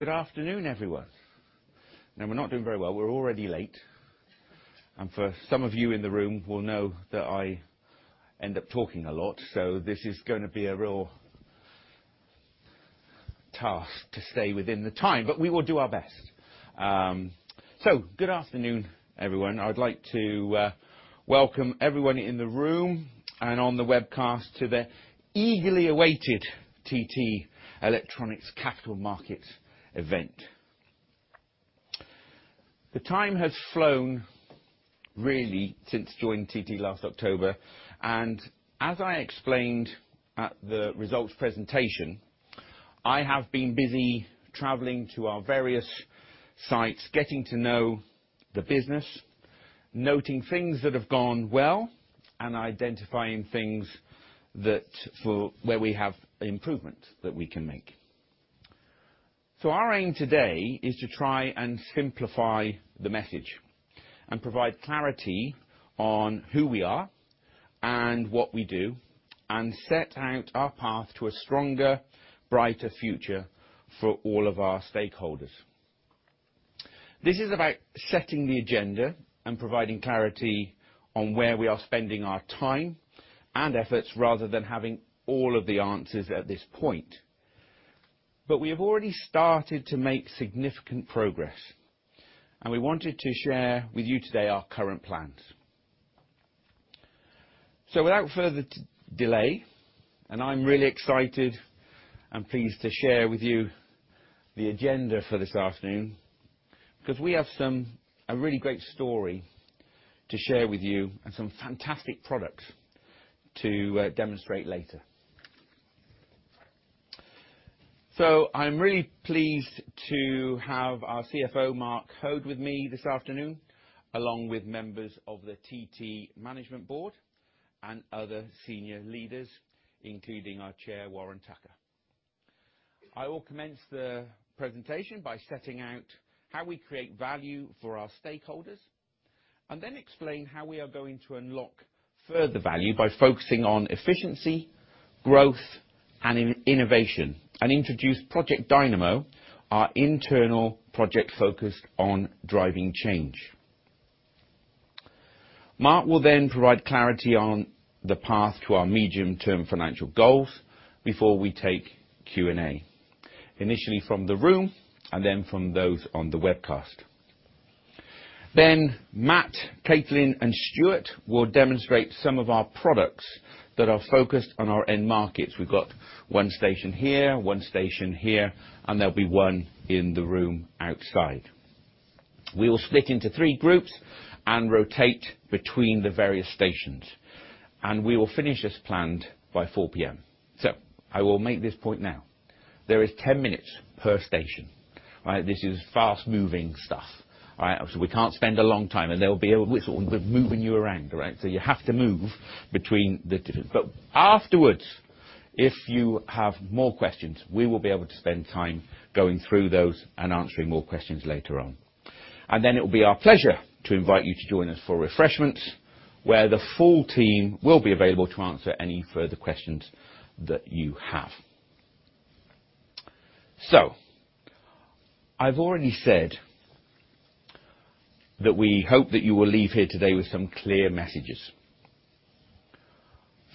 Good afternoon, everyone. Now, we're not doing very well, we're already late, and for some of you in the room, we'll know that I end up talking a lot, so this is going to be a real task to stay within the time, but we will do our best. So good afternoon, everyone. I'd like to welcome everyone in the room and on the webcast to the eagerly awaited TT Electronics Capital Markets event. The time has flown, really, since joining TT last October, and as I explained at the results presentation, I have been busy traveling to our various sites, getting to know the business, noting things that have gone well, and identifying things that for where we have improvement that we can make. So our aim today is to try and simplify the message and provide clarity on who we are and what we do, and set out our path to a stronger, brighter future for all of our stakeholders. This is about setting the agenda and providing clarity on where we are spending our time and efforts rather than having all of the answers at this point. But we have already started to make significant progress, and we wanted to share with you today our current plans. So without further delay, and I'm really excited and pleased to share with you the agenda for this afternoon because we have some really great story to share with you and some fantastic products to demonstrate later. So I'm really pleased to have our CFO, Mark Hoad, with me this afternoon, along with members of the TT Management Board and other senior leaders, including our Chair, Warren Tucker. I will commence the presentation by setting out how we create value for our stakeholders, and then explain how we are going to unlock further value by focusing on efficiency, growth, and innovation, and introduce Project Dynamo, our internal project focused on driving change. Mark will then provide clarity on the path to our medium-term financial goals before we take Q&A, initially from the room and then from those on the webcast. Then Matt, Caitlin, and Stuart will demonstrate some of our products that are focused on our end markets. We've got one station here, one station here, and there'll be one in the room outside. We will split into three groups and rotate between the various stations, and we will finish as planned by 4:00 P.M. So I will make this point now. There is 10 minutes per station, right? This is fast-moving stuff, right? So we can't spend a long time, and there'll be. We're sort of moving you around, right? So you have to move between the different, but afterwards, if you have more questions, we will be able to spend time going through those and answering more questions later on. And then it will be our pleasure to invite you to join us for refreshments, where the full team will be available to answer any further questions that you have. So I've already said that we hope that you will leave here today with some clear messages.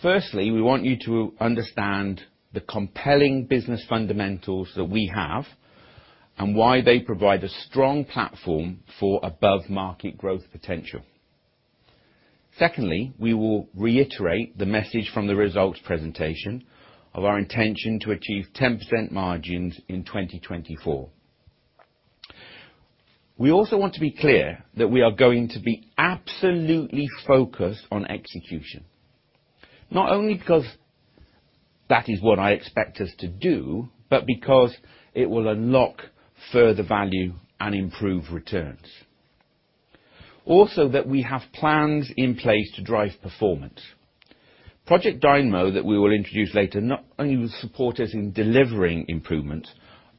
Firstly, we want you to understand the compelling business fundamentals that we have and why they provide a strong platform for above-market growth potential. Secondly, we will reiterate the message from the results presentation of our intention to achieve 10% margins in 2024. We also want to be clear that we are going to be absolutely focused on execution, not only because that is what I expect us to do, but because it will unlock further value and improve returns. Also, that we have plans in place to drive performance. Project Dynamo, that we will introduce later, not only will support us in delivering improvements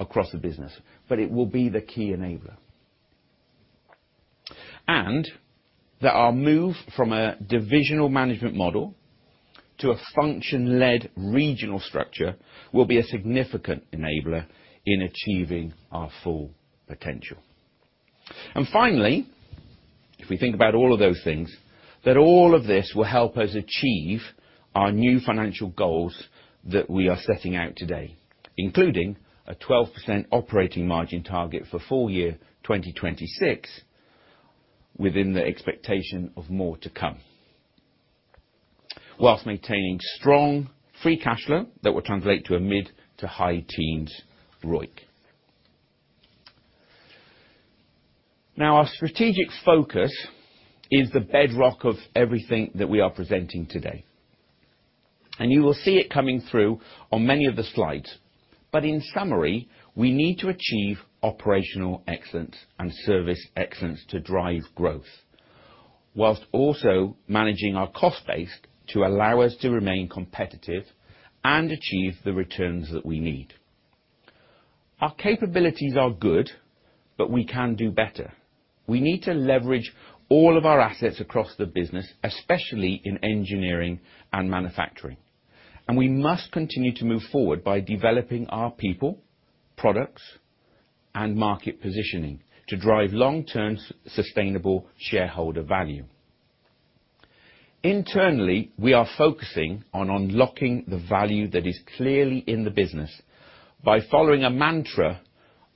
across the business, but it will be the key enabler. And that our move from a divisional management model to a function-led regional structure will be a significant enabler in achieving our full potential. Finally, if we think about all of those things, that all of this will help us achieve our new financial goals that we are setting out today, including a 12% operating margin target for full year 2026 within the expectation of more to come, while maintaining strong free cash flow that will translate to a mid to high teens ROIC. Now, our strategic focus is the bedrock of everything that we are presenting today, and you will see it coming through on many of the slides. In summary, we need to achieve operational excellence and service excellence to drive growth, while also managing our cost base to allow us to remain competitive and achieve the returns that we need. Our capabilities are good, but we can do better. We need to leverage all of our assets across the business, especially in engineering and manufacturing, and we must continue to move forward by developing our people, products, and market positioning to drive long-term sustainable shareholder value. Internally, we are focusing on unlocking the value that is clearly in the business by following a mantra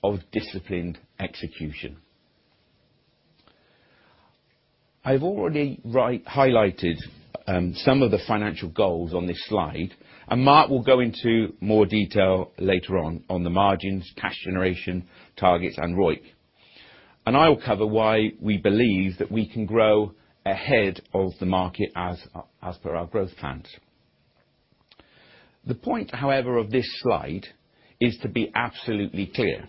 of disciplined execution. I've already highlighted some of the financial goals on this slide, and Mark will go into more detail later on the margins, cash generation targets, and ROIC. And I will cover why we believe that we can grow ahead of the market as per our growth plans. The point, however, of this slide is to be absolutely clear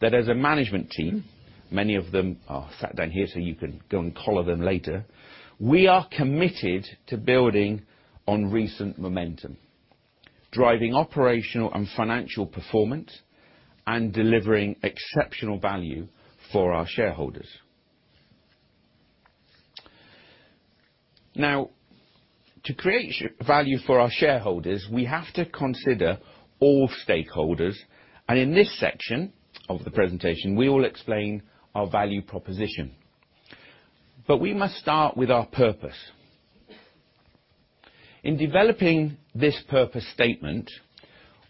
that as a management team, many of them are sitting down here so you can go and color them later, we are committed to building on recent momentum, driving operational and financial performance, and delivering exceptional value for our shareholders. Now, to create shareholder value for our shareholders, we have to consider all stakeholders, and in this section of the presentation, we will explain our value proposition. We must start with our purpose. In developing this purpose statement,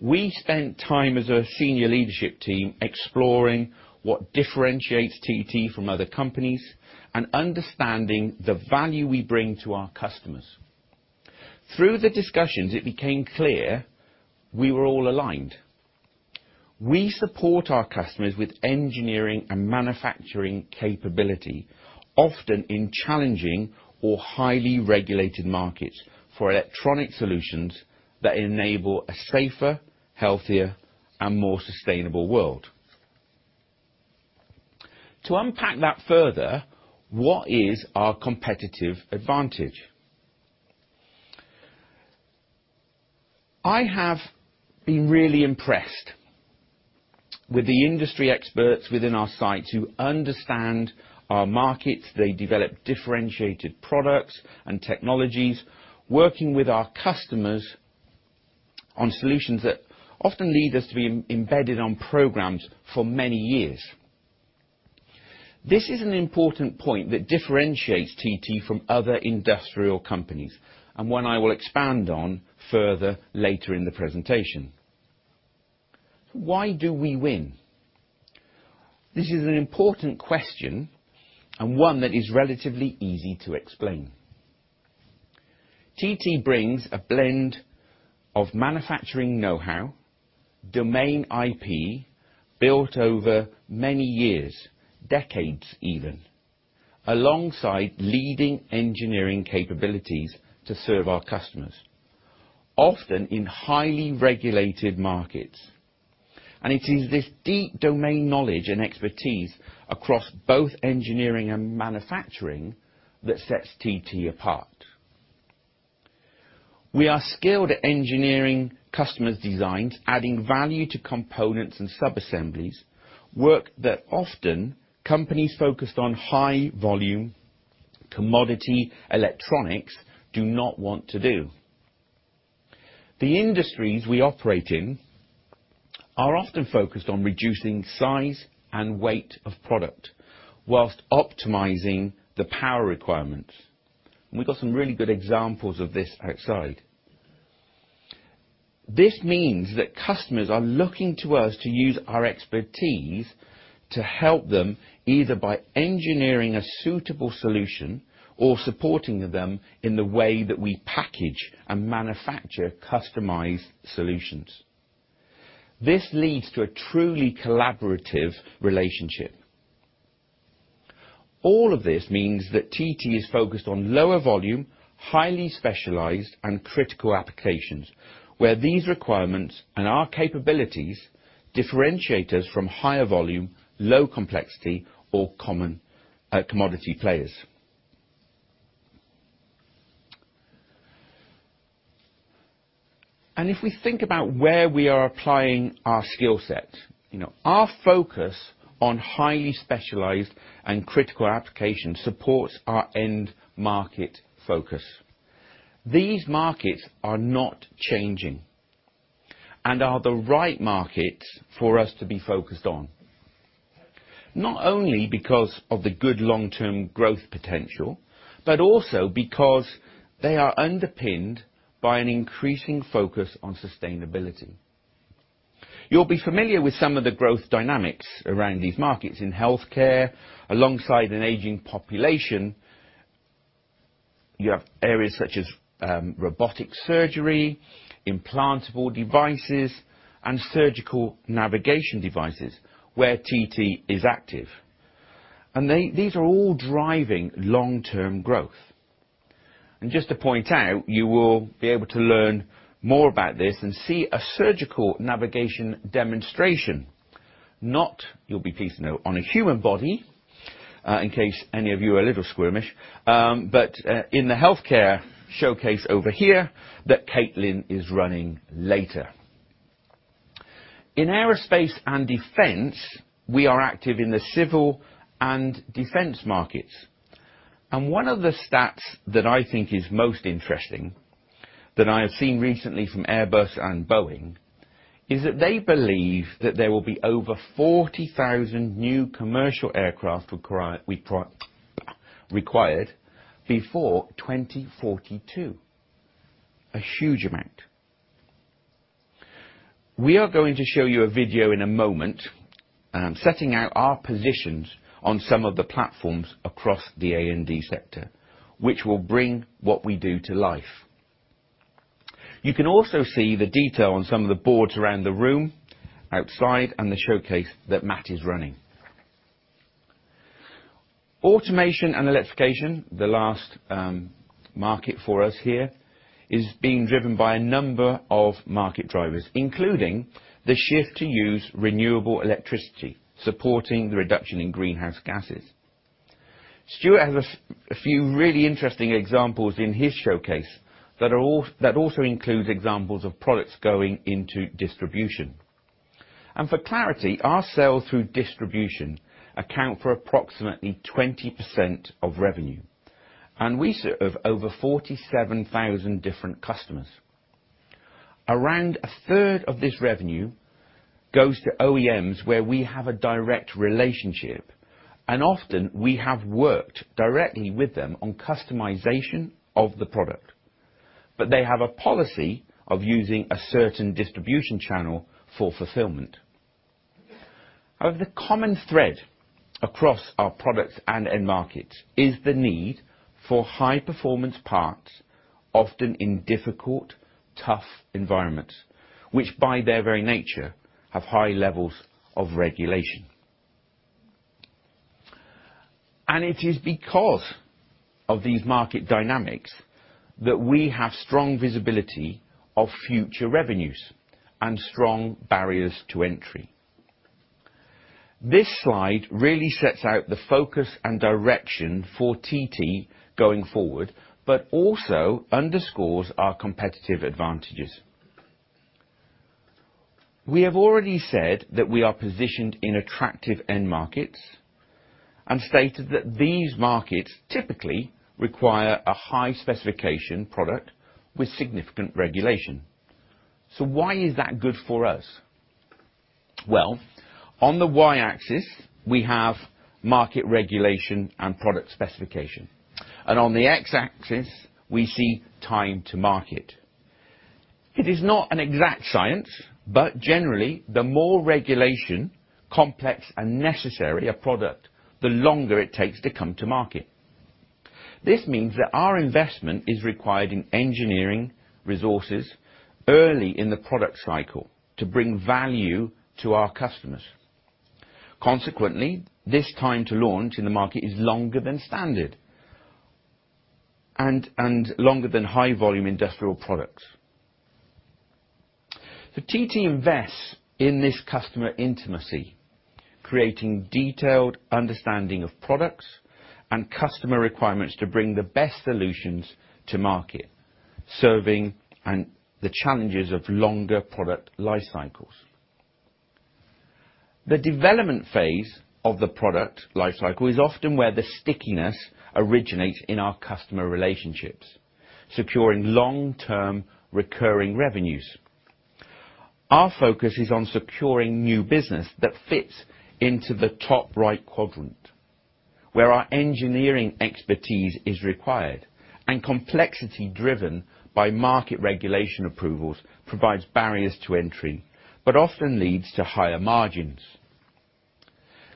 we spent time as a senior leadership team exploring what differentiates TT from other companies and understanding the value we bring to our customers. Through the discussions, it became clear we were all aligned. We support our customers with engineering and manufacturing capability, often in challenging or highly regulated markets, for electronic solutions that enable a safer, healthier, and more sustainable world. To unpack that further, what is our competitive advantage? I have been really impressed with the industry experts within our sites who understand our markets. They develop differentiated products and technologies, working with our customers on solutions that often lead us to be embedded on programs for many years. This is an important point that differentiates TT from other industrial companies, and one I will expand on further later in the presentation. Why do we win? This is an important question and one that is relatively easy to explain. TT brings a blend of manufacturing know-how, domain IP built over many years, decades even, alongside leading engineering capabilities to serve our customers, often in highly regulated markets. It is this deep domain knowledge and expertise across both engineering and manufacturing that sets TT apart. We are skilled at engineering customers' designs, adding value to components and subassemblies, work that often companies focused on high-volume commodity electronics do not want to do. The industries we operate in are often focused on reducing size and weight of product while optimizing the power requirements. We've got some really good examples of this outside. This means that customers are looking to us to use our expertise to help them either by engineering a suitable solution or supporting them in the way that we package and manufacture customized solutions. This leads to a truly collaborative relationship. All of this means that TT is focused on lower-volume, highly specialized, and critical applications, where these requirements and our capabilities differentiate us from higher-volume, low-complexity, or common, commodity players. And if we think about where we are applying our skill set, you know, our focus on highly specialized and critical applications supports our end market focus. These markets are not changing and are the right markets for us to be focused on, not only because of the good long-term growth potential but also because they are underpinned by an increasing focus on sustainability. You'll be familiar with some of the growth dynamics around these markets in healthcare. Alongside an aging population, you have areas such as robotic surgery, implantable devices, and surgical navigation devices where TT is active. And these are all driving long-term growth. Just to point out, you will be able to learn more about this and see a surgical navigation demonstration, not, you'll be pleased to know, on a human body, in case any of you are a little squeamish, but, in the healthcare showcase over here that Caitlin is running later. In aerospace and defense, we are active in the civil and defense markets. One of the stats that I think is most interesting that I have seen recently from Airbus and Boeing is that they believe that there will be over 40,000 new commercial aircraft required before 2042, a huge amount. We are going to show you a video in a moment, setting out our positions on some of the platforms across the A&D sector, which will bring what we do to life. You can also see the detail on some of the boards around the room outside and the showcase that Matt is running. Automation and electrification, the last market for us here, is being driven by a number of market drivers, including the shift to use renewable electricity, supporting the reduction in greenhouse gases. Stuart has a few really interesting examples in his showcase that are all that also include examples of products going into distribution. And for clarity, our sales through distribution account for approximately 20% of revenue, and we serve over 47,000 different customers. Around 1/3 of this revenue goes to OEMs where we have a direct relationship, and often we have worked directly with them on customization of the product, but they have a policy of using a certain distribution channel for fulfillment. However, the common thread across our products and end markets is the need for high-performance parts, often in difficult, tough environments, which by their very nature have high levels of regulation. And it is because of these market dynamics that we have strong visibility of future revenues and strong barriers to entry. This slide really sets out the focus and direction for TT going forward but also underscores our competitive advantages. We have already said that we are positioned in attractive end markets and stated that these markets typically require a high-specification product with significant regulation. So why is that good for us? Well, on the Y-axis, we have market regulation and product specification, and on the X-axis, we see time to market. It is not an exact science, but generally, the more regulation, complex, and necessary a product, the longer it takes to come to market. This means that our investment is required in engineering resources early in the product cycle to bring value to our customers. Consequently, this time to launch in the market is longer than standard and longer than high-volume industrial products. So TT invests in this customer intimacy, creating detailed understanding of products and customer requirements to bring the best solutions to market, serving the challenges of longer product life cycles. The development phase of the product life cycle is often where the stickiness originates in our customer relationships, securing long-term recurring revenues. Our focus is on securing new business that fits into the top right quadrant, where our engineering expertise is required, and complexity driven by market regulation approvals provides barriers to entry but often leads to higher margins.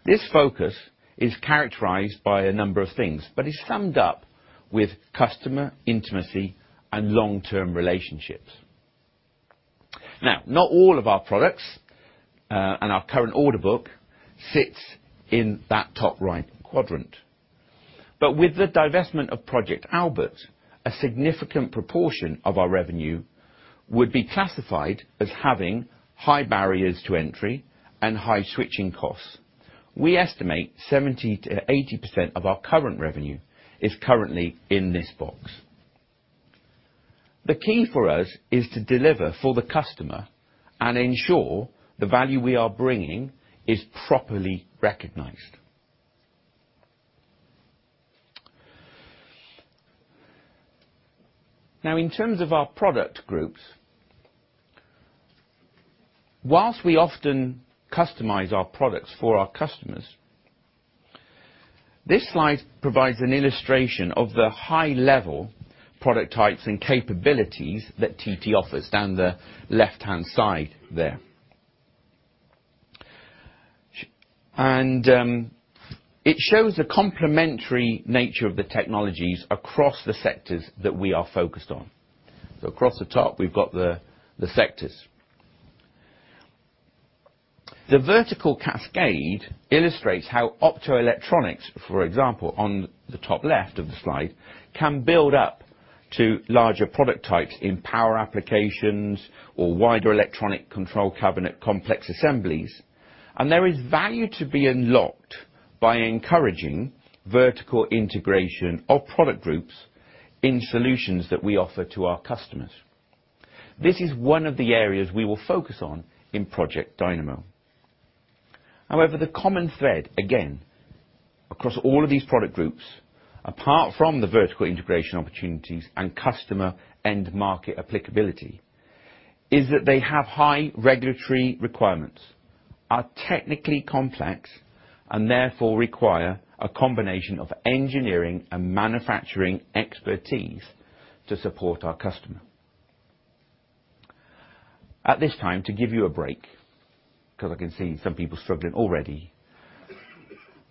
This focus is characterized by a number of things but is summed up with customer intimacy and long-term relationships. Now, not all of our products, and our current order book sits in that top right quadrant, but with the divestment of Project Albert, a significant proportion of our revenue would be classified as having high barriers to entry and high switching costs. We estimate 70%-80% of our current revenue is currently in this box. The key for us is to deliver for the customer and ensure the value we are bringing is properly recognized. Now, in terms of our product groups, while we often customize our products for our customers, this slide provides an illustration of the high-level product types and capabilities that TT offers down the left-hand side there. And, it shows the complementary nature of the technologies across the sectors that we are focused on. So across the top, we've got the sectors. The vertical cascade illustrates how optoelectronics, for example, on the top left of the slide, can build up to larger product types in power applications or wider electronic control cabinet complex assemblies, and there is value to be unlocked by encouraging vertical integration of product groups in solutions that we offer to our customers. This is one of the areas we will focus on in Project Dynamo. However, the common thread, again, across all of these product groups, apart from the vertical integration opportunities and customer end market applicability, is that they have high regulatory requirements, are technically complex, and therefore require a combination of engineering and manufacturing expertise to support our customer. At this time, to give you a break 'cause I can see some people struggling already,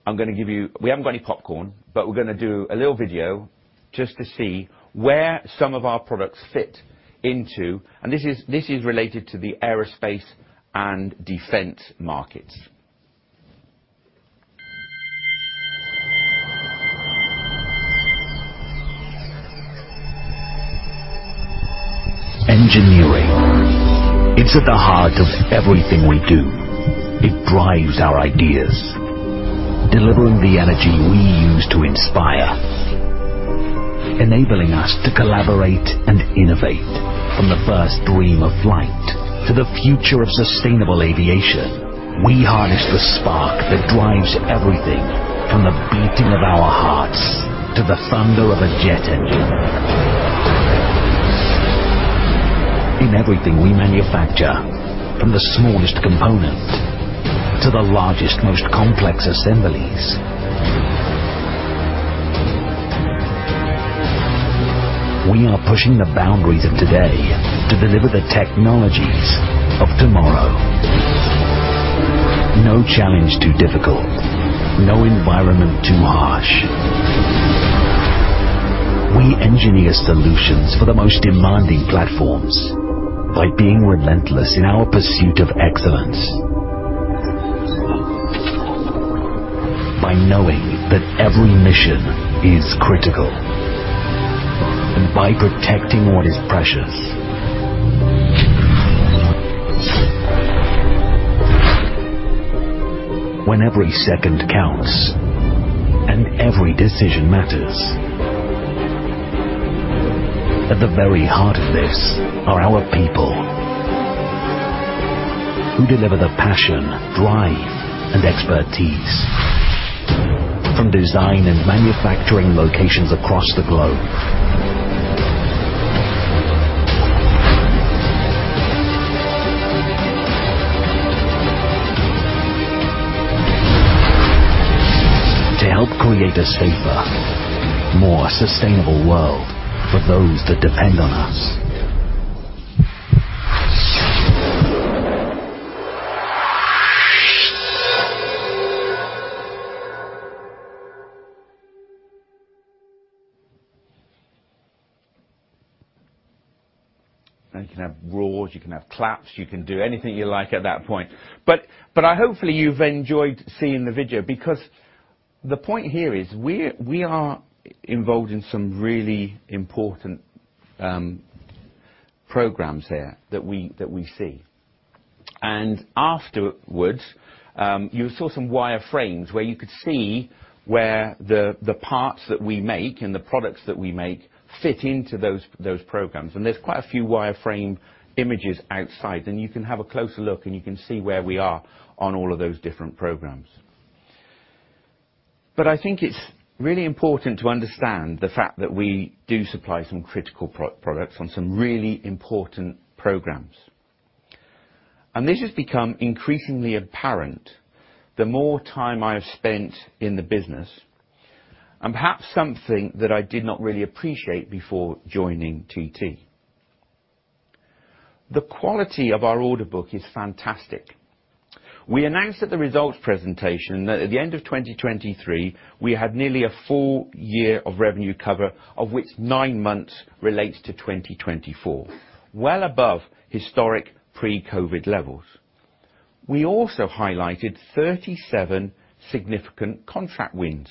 I'm gonna give you, we haven't got any popcorn, but we're gonna do a little video just to see where some of our products fit into, and this is related to the aerospace and defense markets. Engineering. It's at the heart of everything we do. It drives our ideas, delivering the energy we use to inspire, enabling us to collaborate and innovate, from the first dream of flight to the future of sustainable aviation. We harness the spark that drives everything, from the beating of our hearts to the thunder of a jet engine. In everything we manufacture, from the smallest component to the largest, most complex assemblies, we are pushing the boundaries of today to deliver the technologies of tomorrow. No challenge too difficult, no environment too harsh. We engineer solutions for the most demanding platforms by being relentless in our pursuit of excellence, by knowing that every mission is critical, and by protecting what is precious. When every second counts and every decision matters, at the very heart of this are our people who deliver the passion, drive, and expertise, from design and manufacturing locations across the globe to help create a safer, more sustainable world for those that depend on us. And you can have roars, you can have claps, you can do anything you like at that point. But I hope you've enjoyed seeing the video because the point here is we are involved in some really important programs here that we see. And afterwards, you saw some wireframes where you could see where the parts that we make and the products that we make fit into those programs. There's quite a few wireframe images outside, and you can have a closer look and you can see where we are on all of those different programs. But I think it's really important to understand the fact that we do supply some critical proprietary products on some really important programs. And this has become increasingly apparent the more time I have spent in the business and perhaps something that I did not really appreciate before joining TT. The quality of our order book is fantastic. We announced at the results presentation that at the end of 2023, we had nearly a four-year of revenue cover of which nine months relates to 2024, well above historic pre-COVID levels. We also highlighted 37 significant contract wins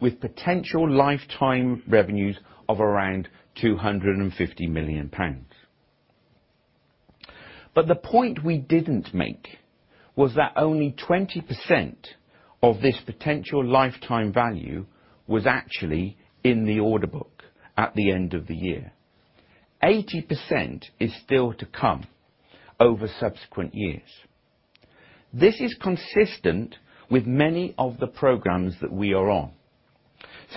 with potential lifetime revenues of around 250 million pounds. But the point we didn't make was that only 20% of this potential lifetime value was actually in the order book at the end of the year. 80% is still to come over subsequent years. This is consistent with many of the programs that we are on.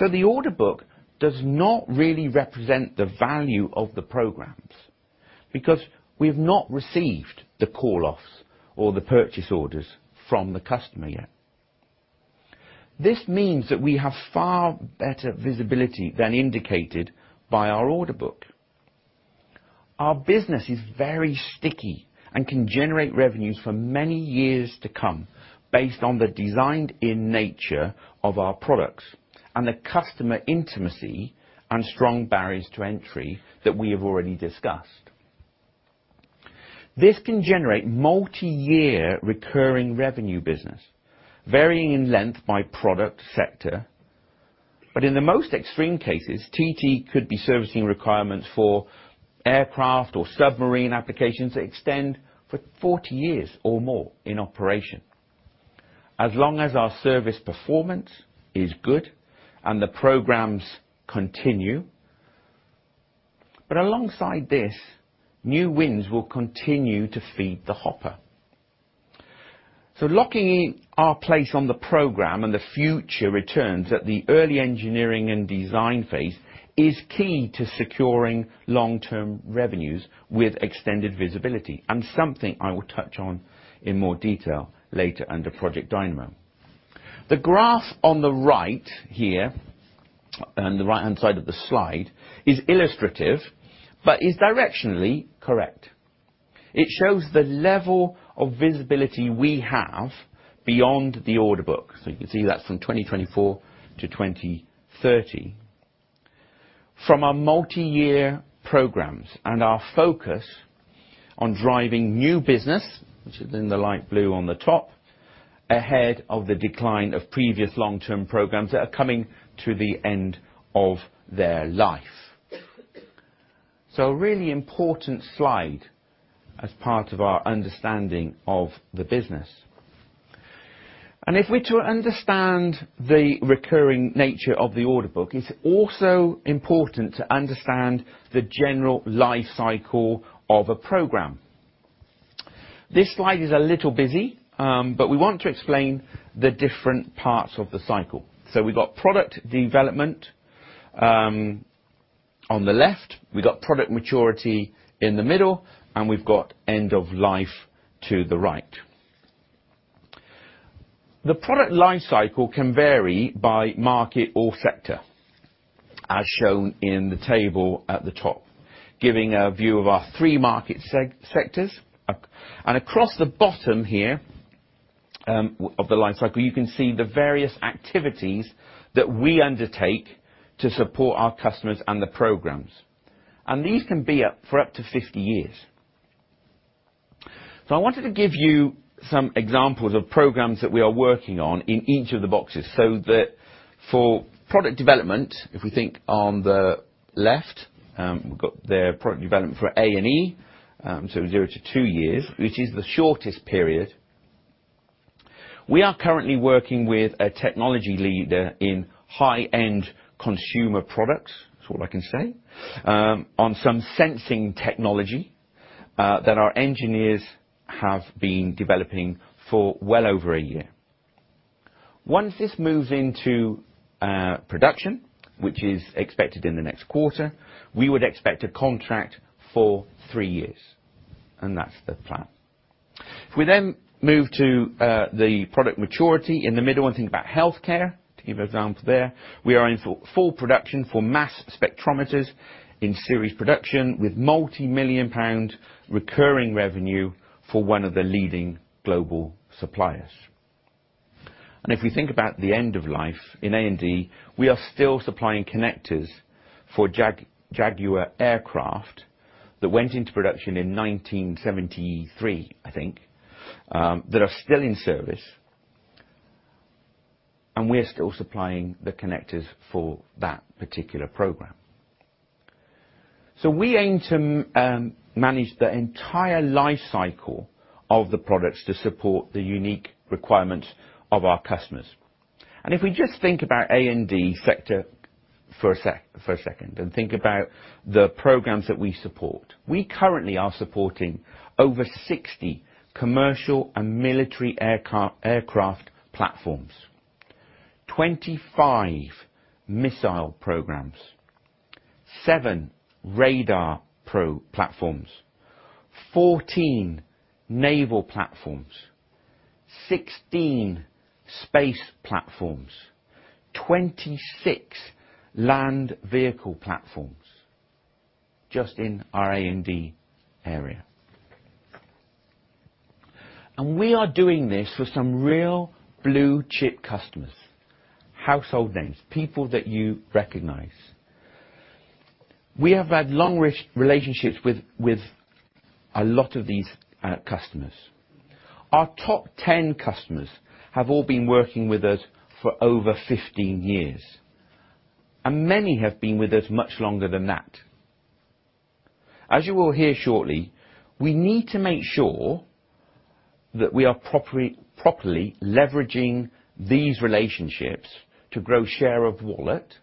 So the order book does not really represent the value of the programs because we have not received the call-offs or the purchase orders from the customer yet. This means that we have far better visibility than indicated by our order book. Our business is very sticky and can generate revenues for many years to come based on the designed-in nature of our products and the customer intimacy and strong barriers to entry that we have already discussed. This can generate multi-year recurring revenue business, varying in length by product, sector, but in the most extreme cases, TT could be servicing requirements for aircraft or submarine applications that extend for 40 years or more in operation, as long as our service performance is good and the programmes continue. But alongside this, new wins will continue to feed the hopper. So locking in our place on the programme and the future returns at the early engineering and design phase is key to securing long-term revenues with extended visibility and something I will touch on in more detail later under Project Dynamo. The graph on the right here and the right-hand side of the slide is illustrative but is directionally correct. It shows the level of visibility we have beyond the order book. So you can see that's from 2024 to 2030. From our multi-year programs and our focus on driving new business, which is in the light blue on the top, ahead of the decline of previous long-term programs that are coming to the end of their life. So a really important slide as part of our understanding of the business. And if we're to understand the recurring nature of the order book, it's also important to understand the general life cycle of a program. This slide is a little busy, but we want to explain the different parts of the cycle. So we've got product development, on the left, we've got product maturity in the middle, and we've got end of life to the right. The product life cycle can vary by market or sector, as shown in the table at the top, giving a view of our three market sectors. Across the bottom here, whole of the life cycle, you can see the various activities that we undertake to support our customers and the programs. These can be up to 50 years. So I wanted to give you some examples of programs that we are working on in each of the boxes so that for product development, if we think on the left, we've got their product development for A&D, so zero to two years, which is the shortest period. We are currently working with a technology leader in high-end consumer products, that's all I can say, on some sensing technology, that our engineers have been developing for well over a year. Once this moves into production, which is expected in the next quarter, we would expect a contract for three years, and that's the plan. If we then move to the product maturity in the middle and think about healthcare, to give an example there, we are in full production for mass spectrometers in series production with multi-million pounds recurring revenue for one of the leading global suppliers. And if we think about the end of life in A&D, we are still supplying connectors for Jaguar aircraft that went into production in 1973, I think, that are still in service, and we are still supplying the connectors for that particular program. So we aim to manage the entire life cycle of the products to support the unique requirements of our customers. And if we just think about A&D sector for a sec for a second and think about the programs that we support, we currently are supporting over 60 commercial and military aircraft platforms, 25 missile programs, seven radar platforms, 14 naval platforms, 16 space platforms, 26 land vehicle platforms just in our A&D area. And we are doing this for some real blue-chip customers, household names, people that you recognize. We have had long rich relationships with a lot of these customers. Our top 10 customers have all been working with us for over 15 years, and many have been with us much longer than that. As you will hear shortly, we need to make sure that we are properly leveraging these relationships to grow share of wallet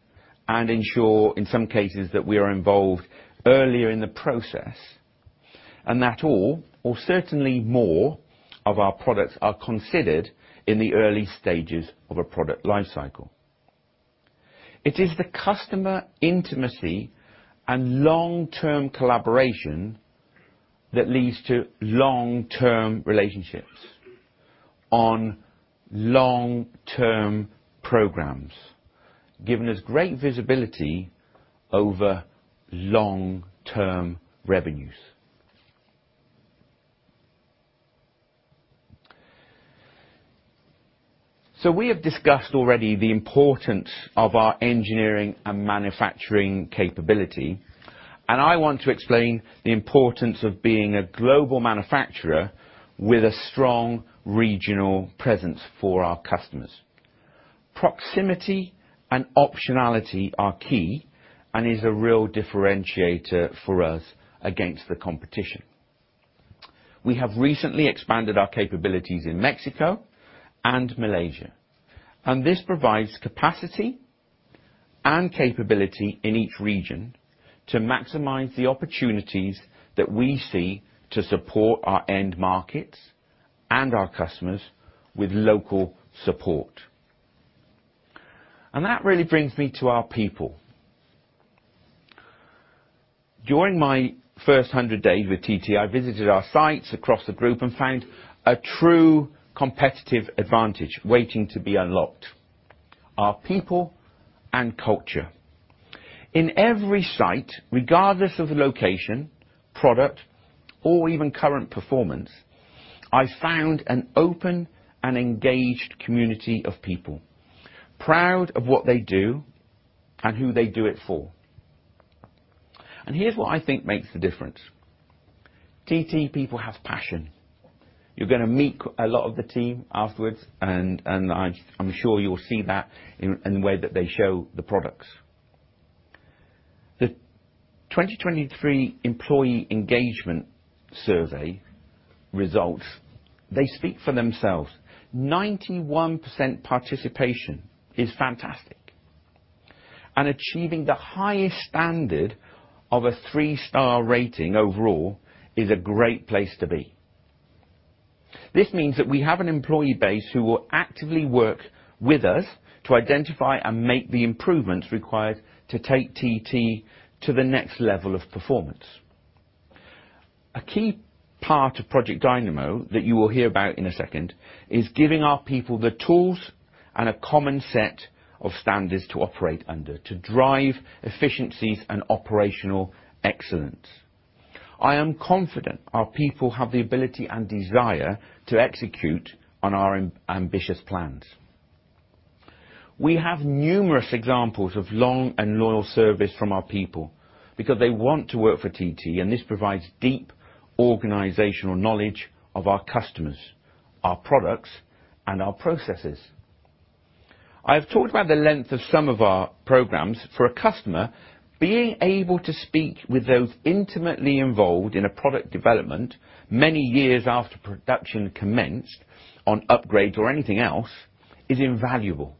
and ensure, in some cases, that we are involved earlier in the process and that all, or certainly more, of our products are considered in the early stages of a product life cycle. It is the customer intimacy and long-term collaboration that leads to long-term relationships on long-term programs, giving us great visibility over long-term revenues. So we have discussed already the importance of our engineering and manufacturing capability, and I want to explain the importance of being a global manufacturer with a strong regional presence for our customers. Proximity and optionality are key and is a real differentiator for us against the competition. We have recently expanded our capabilities in Mexico and Malaysia, and this provides capacity and capability in each region to maximize the opportunities that we see to support our end markets and our customers with local support. That really brings me to our people. During my first 100 days with TT, I visited our sites across the group and found a true competitive advantage waiting to be unlocked: our people and culture. In every site, regardless of location, product, or even current performance, I found an open and engaged community of people, proud of what they do and who they do it for. Here's what I think makes the difference: TT people have passion. You're going to see a lot of the team afterwards, and I'm sure you'll see that in the way that they show the products. The 2023 employee engagement survey results, they speak for themselves. 91% participation is fantastic, and achieving the highest standard of a three-star rating overall is a great place to be. This means that we have an employee base who will actively work with us to identify and make the improvements required to take TT to the next level of performance. A key part of Project Dynamo that you will hear about in a second is giving our people the tools and a common set of standards to operate under, to drive efficiencies and operational excellence. I am confident our people have the ability and desire to execute on our ambitious plans. We have numerous examples of long and loyal service from our people because they want to work for TT, and this provides deep organizational knowledge of our customers, our products, and our processes. I have talked about the length of some of our programs. For a customer, being able to speak with those intimately involved in a product development many years after production commenced on upgrades or anything else is invaluable.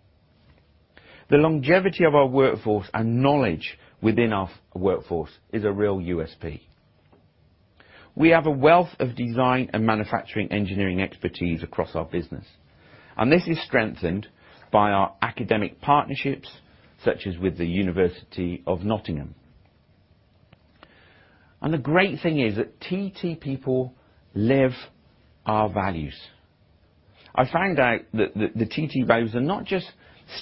The longevity of our workforce and knowledge within our workforce is a real USP. We have a wealth of design and manufacturing engineering expertise across our business, and this is strengthened by our academic partnerships, such as with the University of Nottingham. The great thing is that TT people live our values. I found out that the TT values are not just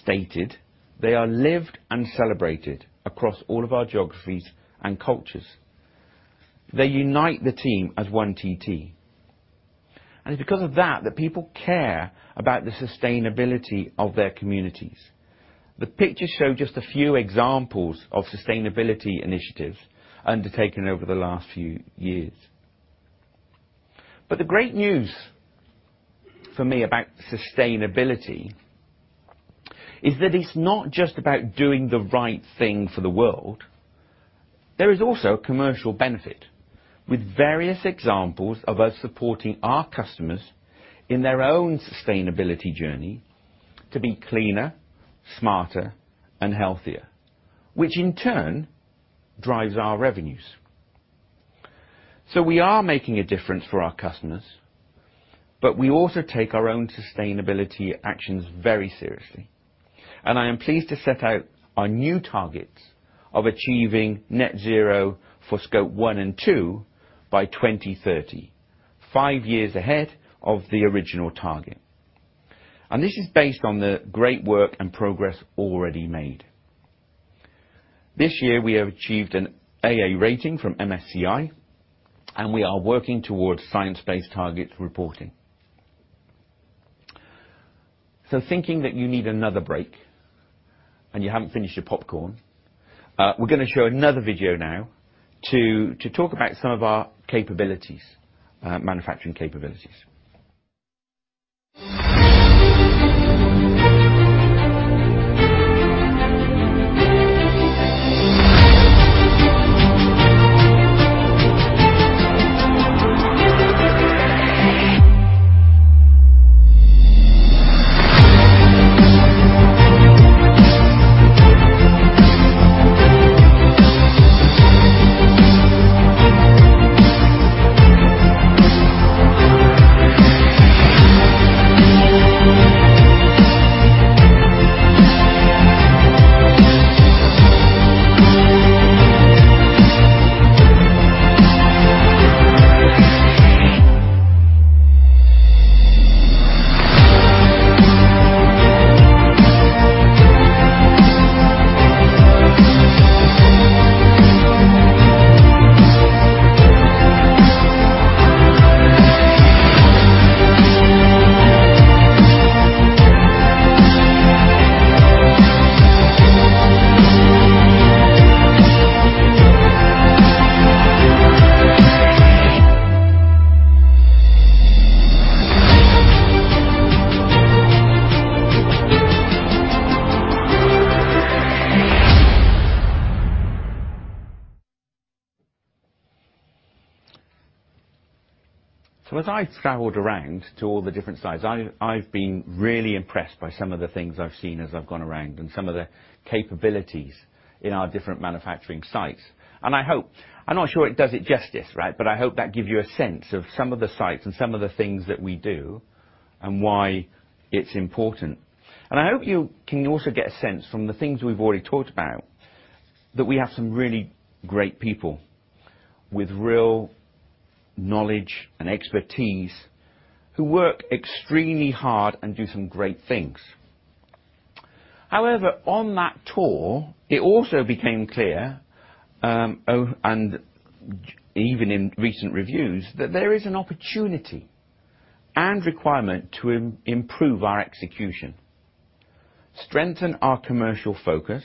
stated. They are lived and celebrated across all of our geographies and cultures. They unite the team as one TT. It's because of that that people care about the sustainability of their communities. The pictures show just a few examples of sustainability initiatives undertaken over the last few years. But the great news for me about sustainability is that it's not just about doing the right thing for the world. There is also a commercial benefit, with various examples of us supporting our customers in their own sustainability journey to be cleaner, smarter, and healthier, which in turn drives our revenues. So we are making a difference for our customers, but we also take our own sustainability actions very seriously. I am pleased to set out our new targets of achieving net zero for scope one and two by 2030, five years ahead of the original target. This is based on the great work and progress already made. This year, we have achieved an AA rating from MSCI, and we are working towards science-based targets reporting. So thinking that you need another break and you haven't finished your popcorn, we're going to show another video now to talk about some of our capabilities, manufacturing capabilities. So as I've traveled around to all the different sites, I've been really impressed by some of the things I've seen as I've gone around and some of the capabilities in our different manufacturing sites. And I hope I'm not sure it does it justice, right, but I hope that gives you a sense of some of the sites and some of the things that we do and why it's important. And I hope you can also get a sense from the things we've already talked about that we have some really great people with real knowledge and expertise who work extremely hard and do some great things. However, on that tour, it also became clear, oh, and even in recent reviews, that there is an opportunity and requirement to improve our execution, strengthen our commercial focus,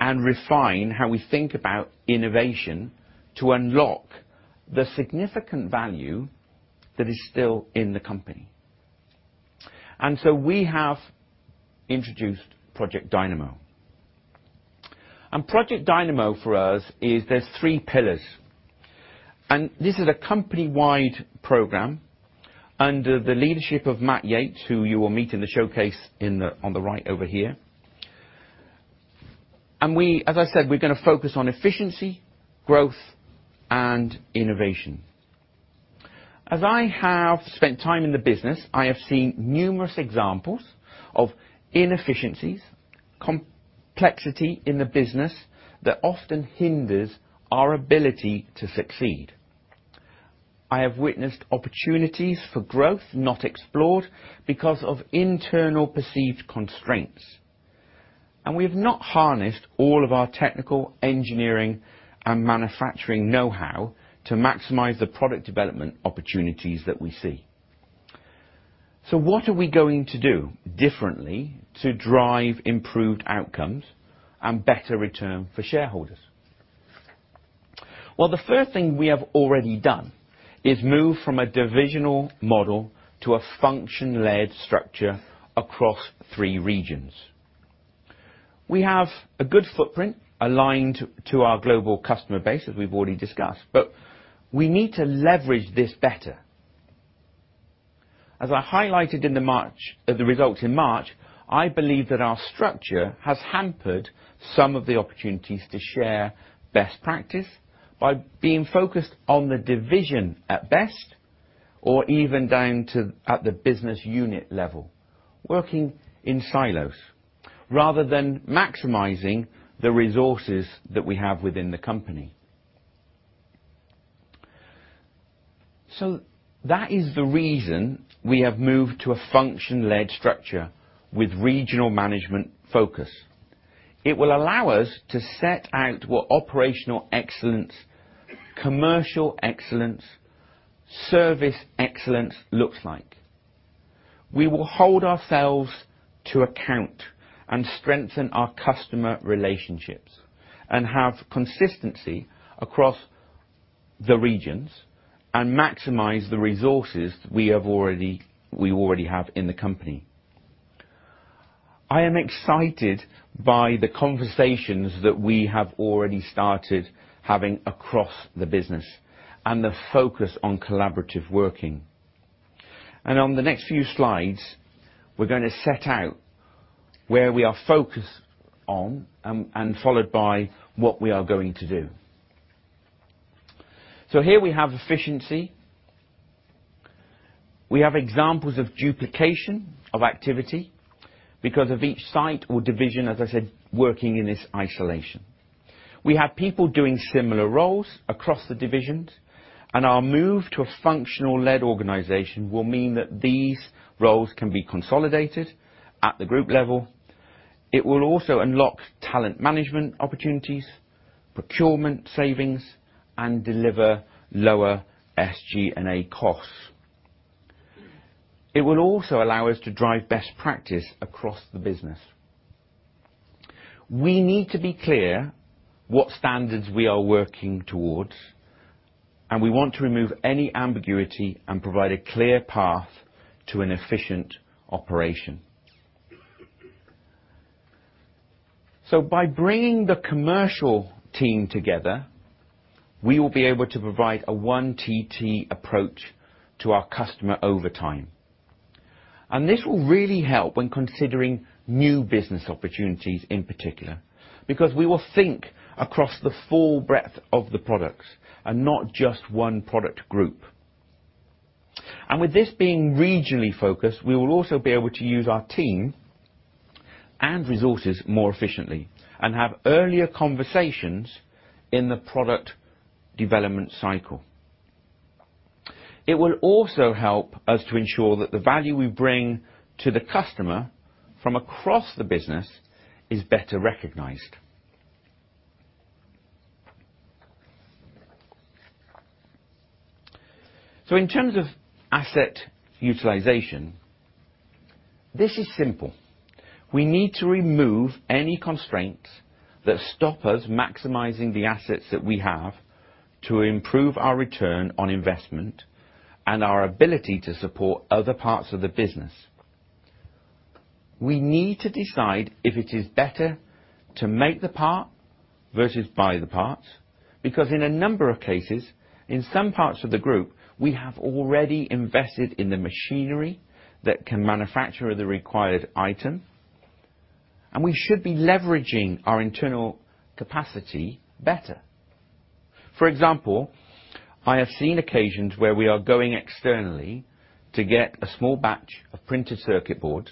and refine how we think about innovation to unlock the significant value that is still in the company. And so we have introduced Project Dynamo. And Project Dynamo, for us, is there's three pillars. And this is a company-wide program under the leadership of Matt Yates, who you will meet in the showcase in the one on the right over here. And we, as I said, we're going to focus on efficiency, growth, and innovation. As I have spent time in the business, I have seen numerous examples of inefficiencies, complexity in the business that often hinders our ability to succeed. I have witnessed opportunities for growth not explored because of internal perceived constraints, and we have not harnessed all of our technical engineering and manufacturing know-how to maximize the product development opportunities that we see. So what are we going to do differently to drive improved outcomes and better return for shareholders? Well, the first thing we have already done is move from a divisional model to a function-led structure across three regions. We have a good footprint aligned to our global customer base, as we've already discussed, but we need to leverage this better. As I highlighted in the March results in March, I believe that our structure has hampered some of the opportunities to share best practice by being focused on the division at best or even down to at the business unit level, working in silos rather than maximizing the resources that we have within the company. So that is the reason we have moved to a function-led structure with regional management focus. It will allow us to set out what operational excellence, commercial excellence, service excellence looks like. We will hold ourselves to account and strengthen our customer relationships and have consistency across the regions and maximize the resources we have already in the company. I am excited by the conversations that we have already started having across the business and the focus on collaborative working. On the next few slides, we're going to set out where we are focused on and, and followed by what we are going to do. So here we have efficiency. We have examples of duplication of activity because of each site or division, as I said, working in this isolation. We have people doing similar roles across the divisions, and our move to a functional-led organization will mean that these roles can be consolidated at the group level. It will also unlock talent management opportunities, procurement savings, and deliver lower SG&A costs. It will also allow us to drive best practice across the business. We need to be clear what standards we are working towards, and we want to remove any ambiguity and provide a clear path to an efficient operation. By bringing the commercial team together, we will be able to provide a one TT approach to our customer over time. This will really help when considering new business opportunities in particular because we will think across the full breadth of the products and not just one product group. With this being regionally focused, we will also be able to use our team and resources more efficiently and have earlier conversations in the product development cycle. It will also help us to ensure that the value we bring to the customer from across the business is better recognized. In terms of asset utilization, this is simple. We need to remove any constraints that stop us maximizing the assets that we have to improve our return on investment and our ability to support other parts of the business. We need to decide if it is better to make the part versus buy the part because in a number of cases, in some parts of the group, we have already invested in the machinery that can manufacture the required item, and we should be leveraging our internal capacity better. For example, I have seen occasions where we are going externally to get a small batch of printed circuit boards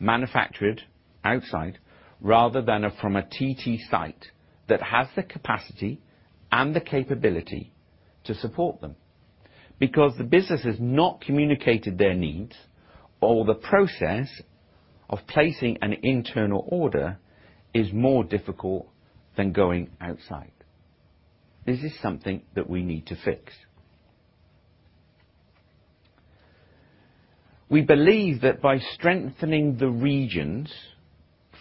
manufactured outside rather than from a TT site that has the capacity and the capability to support them because the business has not communicated their needs, or the process of placing an internal order is more difficult than going outside. This is something that we need to fix. We believe that by strengthening the region's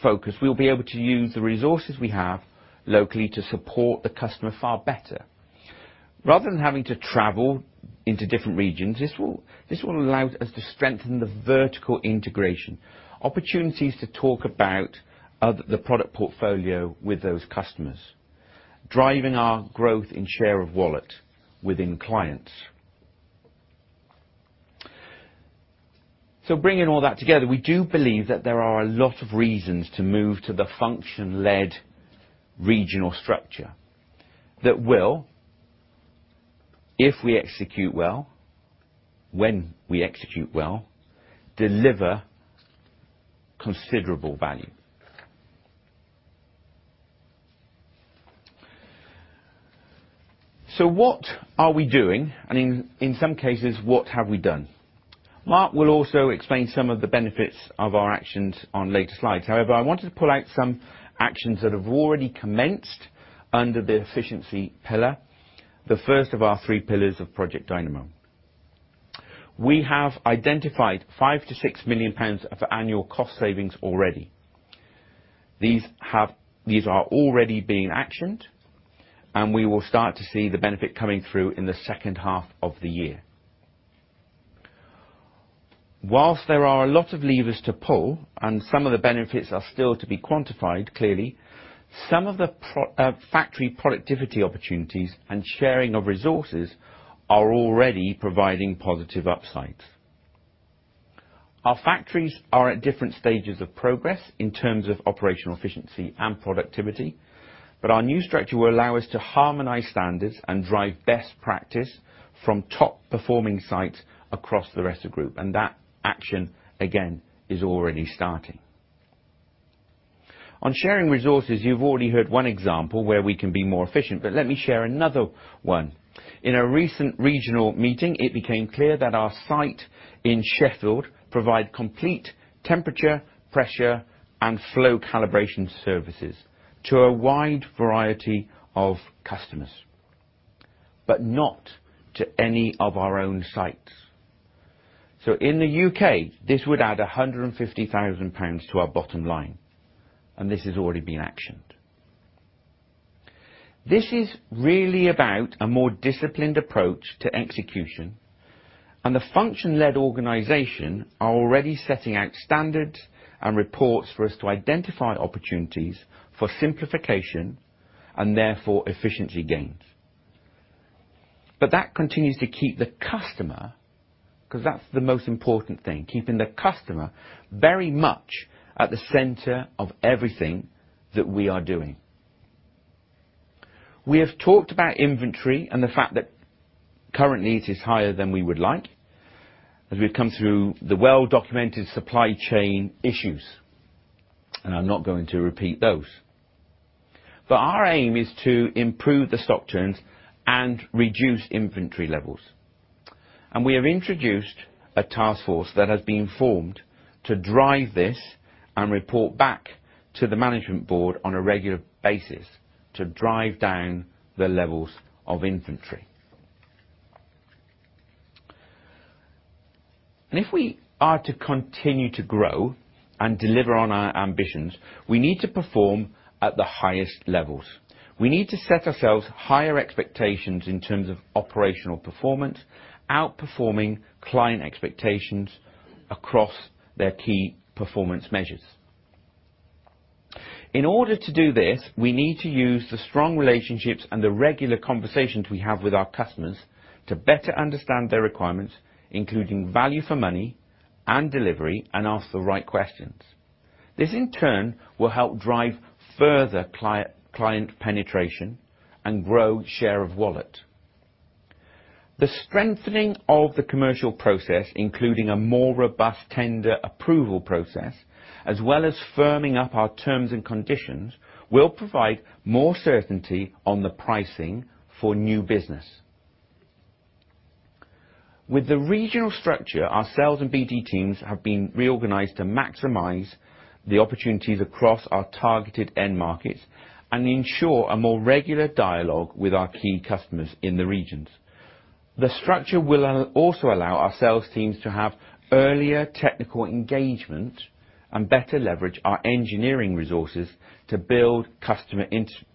focus, we'll be able to use the resources we have locally to support the customer far better. Rather than having to travel into different regions, this will, this will allow us to strengthen the vertical integration opportunities to talk about the product portfolio with those customers, driving our growth in share of wallet within clients. So bringing all that together, we do believe that there are a lot of reasons to move to the function-led regional structure that will, if we execute well, when we execute well, deliver considerable value. So what are we doing? And in some cases, what have we done? Mark will also explain some of the benefits of our actions on later slides. However, I wanted to pull out some actions that have already commenced under the efficiency pillar, the first of our three pillars of Project Dynamo. We have identified 5-6 million pounds of annual cost savings already. These are already being actioned, and we will start to see the benefit coming through in the second half of the year. While there are a lot of levers to pull and some of the benefits are still to be quantified, clearly, some of the pro factory productivity opportunities and sharing of resources are already providing positive upsides. Our factories are at different stages of progress in terms of operational efficiency and productivity, but our new structure will allow us to harmonize standards and drive best practice from top-performing sites across the rest of the group. That action, again, is already starting. On sharing resources, you've already heard one example where we can be more efficient, but let me share another one. In a recent regional meeting, it became clear that our site in Sheffield provides complete temperature, pressure, and flow calibration services to a wide variety of customers but not to any of our own sites. So in the U.K., this would add 150,000 pounds to our bottom line, and this has already been actioned. This is really about a more disciplined approach to execution, and the function-led organization is already setting out standards and reports for us to identify opportunities for simplification and therefore efficiency gains. But that continues to keep the customer because that's the most important thing, keeping the customer very much at the center of everything that we are doing. We have talked about inventory and the fact that current needs is higher than we would like as we've come through the well-documented supply chain issues, and I'm not going to repeat those. Our aim is to improve the stock turns and reduce inventory levels. We have introduced a task force that has been formed to drive this and report back to the management board on a regular basis to drive down the levels of inventory. If we are to continue to grow and deliver on our ambitions, we need to perform at the highest levels. We need to set ourselves higher expectations in terms of operational performance, outperforming client expectations across their key performance measures. In order to do this, we need to use the strong relationships and the regular conversations we have with our customers to better understand their requirements, including value for money and delivery, and ask the right questions. This, in turn, will help drive further client penetration and grow share of wallet. The strengthening of the commercial process, including a more robust tender approval process, as well as firming up our terms and conditions, will provide more certainty on the pricing for new business. With the regional structure, our sales and BD teams have been reorganized to maximize the opportunities across our targeted end markets and ensure a more regular dialogue with our key customers in the regions. The structure will also allow our sales teams to have earlier technical engagement and better leverage our engineering resources to build customer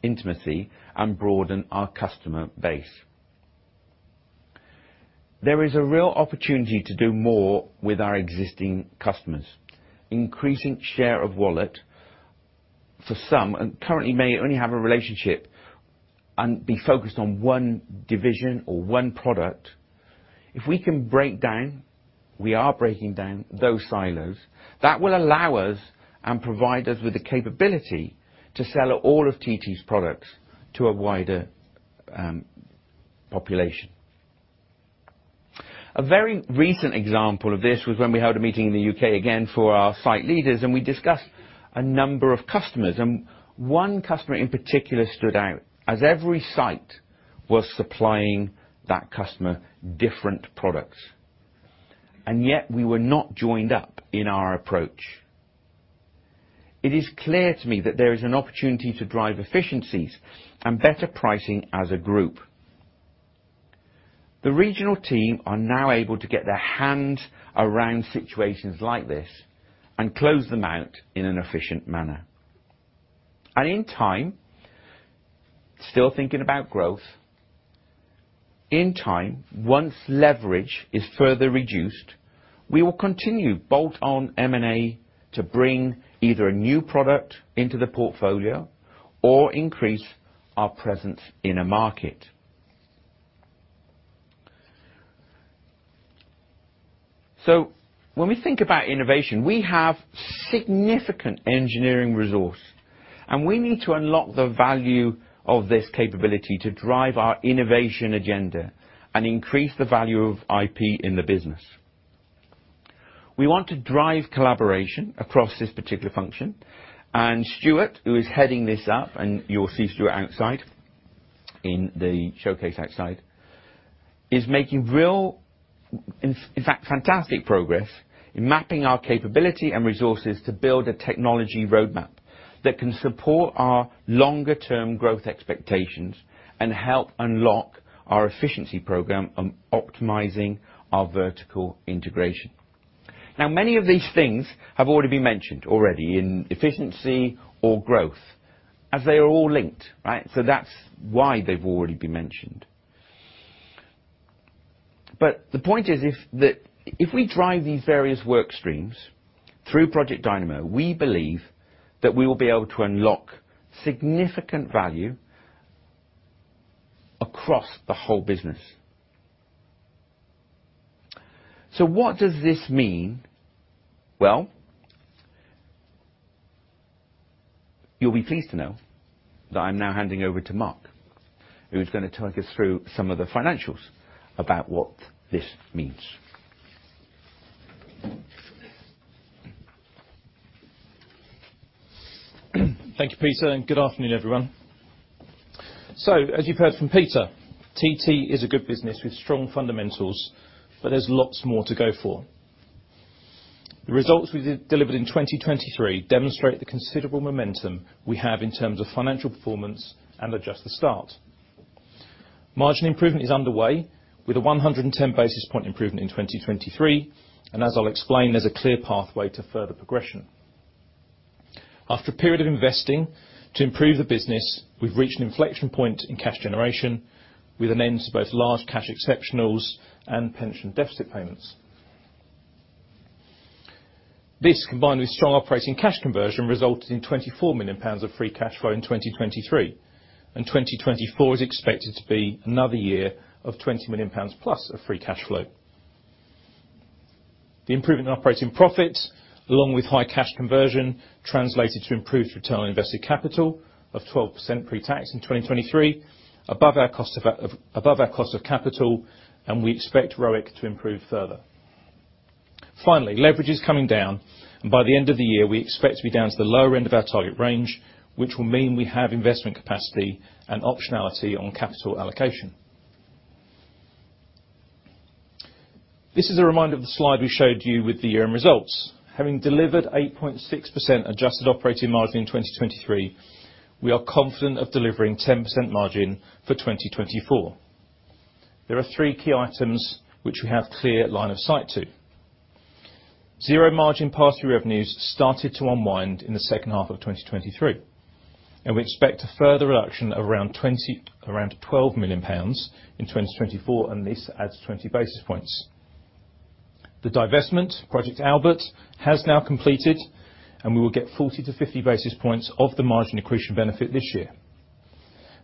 intimacy and broaden our customer base. There is a real opportunity to do more with our existing customers, increasing share of wallet for some and currently may only have a relationship and be focused on one division or one product. If we can break down we are breaking down those silos. That will allow us and provide us with the capability to sell all of TT's products to a wider population. A very recent example of this was when we held a meeting in the U.K. again for our site leaders, and we discussed a number of customers. One customer in particular stood out as every site was supplying that customer different products, and yet we were not joined up in our approach. It is clear to me that there is an opportunity to drive efficiencies and better pricing as a group. The regional team are now able to get their hands around situations like this and close them out in an efficient manner. In time still thinking about growth. In time, once leverage is further reduced, we will continue bolt-on M&A to bring either a new product into the portfolio or increase our presence in a market. So when we think about innovation, we have significant engineering resource, and we need to unlock the value of this capability to drive our innovation agenda and increase the value of IP in the business. We want to drive collaboration across this particular function. And Stuart, who is heading this up and you'll see Stuart outside in the showcase outside, is making real, in fact, fantastic progress in mapping our capability and resources to build a technology roadmap that can support our longer-term growth expectations and help unlock our efficiency program and optimizing our vertical integration. Now, many of these things have already been mentioned already in efficiency or growth as they are all linked, right? So that's why they've already been mentioned. The point is if we drive these various workstreams through Project Dynamo, we believe that we will be able to unlock significant value across the whole business. What does this mean? Well, you'll be pleased to know that I'm now handing over to Mark, who is going to take us through some of the financials about what this means. Thank you, Peter, and good afternoon, everyone. So as you've heard from Peter, TT is a good business with strong fundamentals, but there's lots more to go for. The results we delivered in 2023 demonstrate the considerable momentum we have in terms of financial performance and just the start. Margin improvement is underway with a 110 basis point improvement in 2023, and as I'll explain, there's a clear pathway to further progression. After a period of investing to improve the business, we've reached an inflection point in cash generation with an end to both large cash exceptionals and pension deficit payments. This, combined with strong operating cash conversion, resulted in 24 million pounds of free cash flow in 2023, and 2024 is expected to be another year of 20 million pounds plus of free cash flow. The improvement in operating profits, along with high cash conversion, translated to improved return on invested capital of 12% pre-tax in 2023 above our cost of capital, and we expect ROIC to improve further. Finally, leverage is coming down, and by the end of the year, we expect to be down to the lower end of our target range, which will mean we have investment capacity and optionality on capital allocation. This is a reminder of the slide we showed you with the year-end results. Having delivered 8.6% adjusted operating margin in 2023, we are confident of delivering 10% margin for 2024. There are three key items which we have clear line of sight to. Zero margin pass-through revenues started to unwind in the second half of 2023, and we expect a further reduction of around 12 million pounds in 2024, and this adds 20 basis points. The divestment, Project Albert, has now completed, and we will get 40 basis points-50 basis points of the margin accretion benefit this year.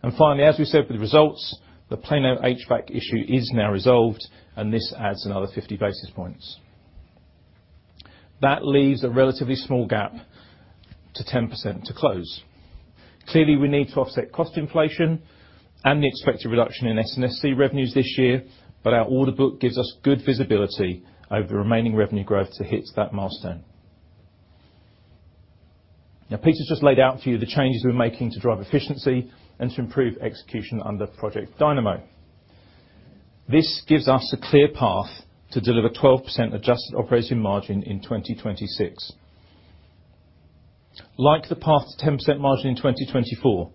And finally, as we said for the results, the Plano HVAC issue is now resolved, and this adds another 50 basis points. That leaves a relatively small gap to 10% to close. Clearly, we need to offset cost inflation and the expected reduction in S&SC revenues this year, but our order book gives us good visibility over the remaining revenue growth to hit that milestone. Now, Peter's just laid out for you the changes we're making to drive efficiency and to improve execution under Project Dynamo. This gives us a clear path to deliver 12% adjusted operating margin in 2026. Like the path to 10% margin in 2024,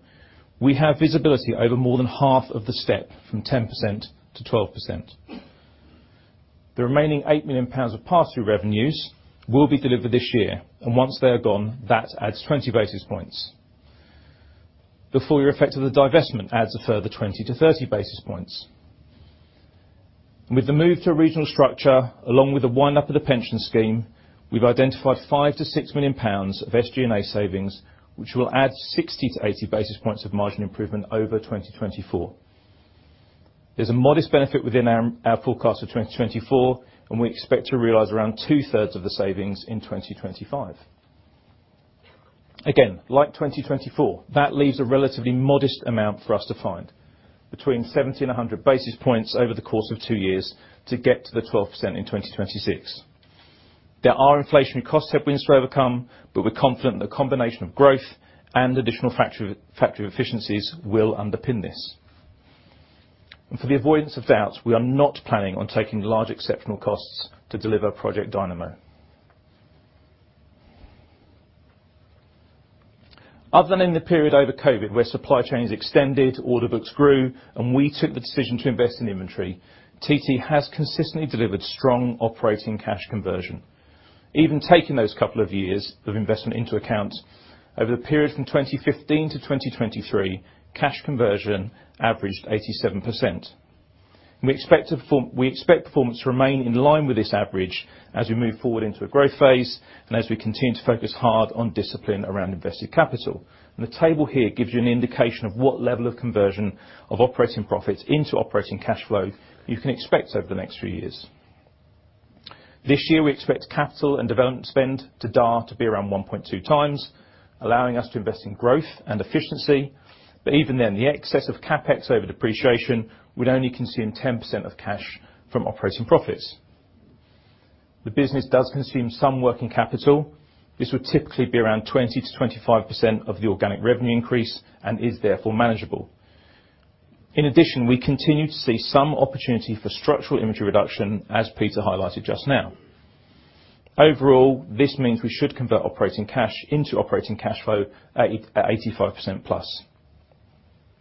we have visibility over more than half of the step from 10%-12%. The remaining 8 million pounds of pass-through revenues will be delivered this year, and once they are gone, that adds 20 basis points. The full year effect of the divestment adds a further 20 basis points-30 basis points. With the move to a regional structure, along with the wind-up of the pension scheme, we've identified 5 million-6 million pounds of SG&A savings, which will add 60 basis points-80 basis points of margin improvement over 2024. There's a modest benefit within our forecast for 2024, and we expect to realise around two-thirds of the savings in 2025. Again, like 2024, that leaves a relatively modest amount for us to find, between 70 and 100 basis points over the course of two years to get to the 12% in 2026. There are inflationary costs to have wins to overcome, but we're confident that a combination of growth and additional factory efficiencies will underpin this. For the avoidance of doubt, we are not planning on taking large exceptional costs to deliver Project Dynamo. Other than in the period over COVID where supply chains extended, order books grew, and we took the decision to invest in inventory, TT has consistently delivered strong operating cash conversion. Even taking those couple of years of investment into account, over the period from 2015-2023, cash conversion averaged 87%. We expect performance to remain in line with this average as we move forward into a growth phase and as we continue to focus hard on discipline around invested capital. The table here gives you an indication of what level of conversion of operating profits into operating cash flow you can expect over the next few years. This year, we expect capital and development spend to D&A to be around 1.2 times, allowing us to invest in growth and efficiency. But even then, the excess of CapEx over depreciation would only consume 10% of cash from operating profits. The business does consume some working capital. This would typically be around 20%-25% of the organic revenue increase and is therefore manageable. In addition, we continue to see some opportunity for structural inventory reduction, as Peter highlighted just now. Overall, this means we should convert operating cash into operating cash flow at 85%+.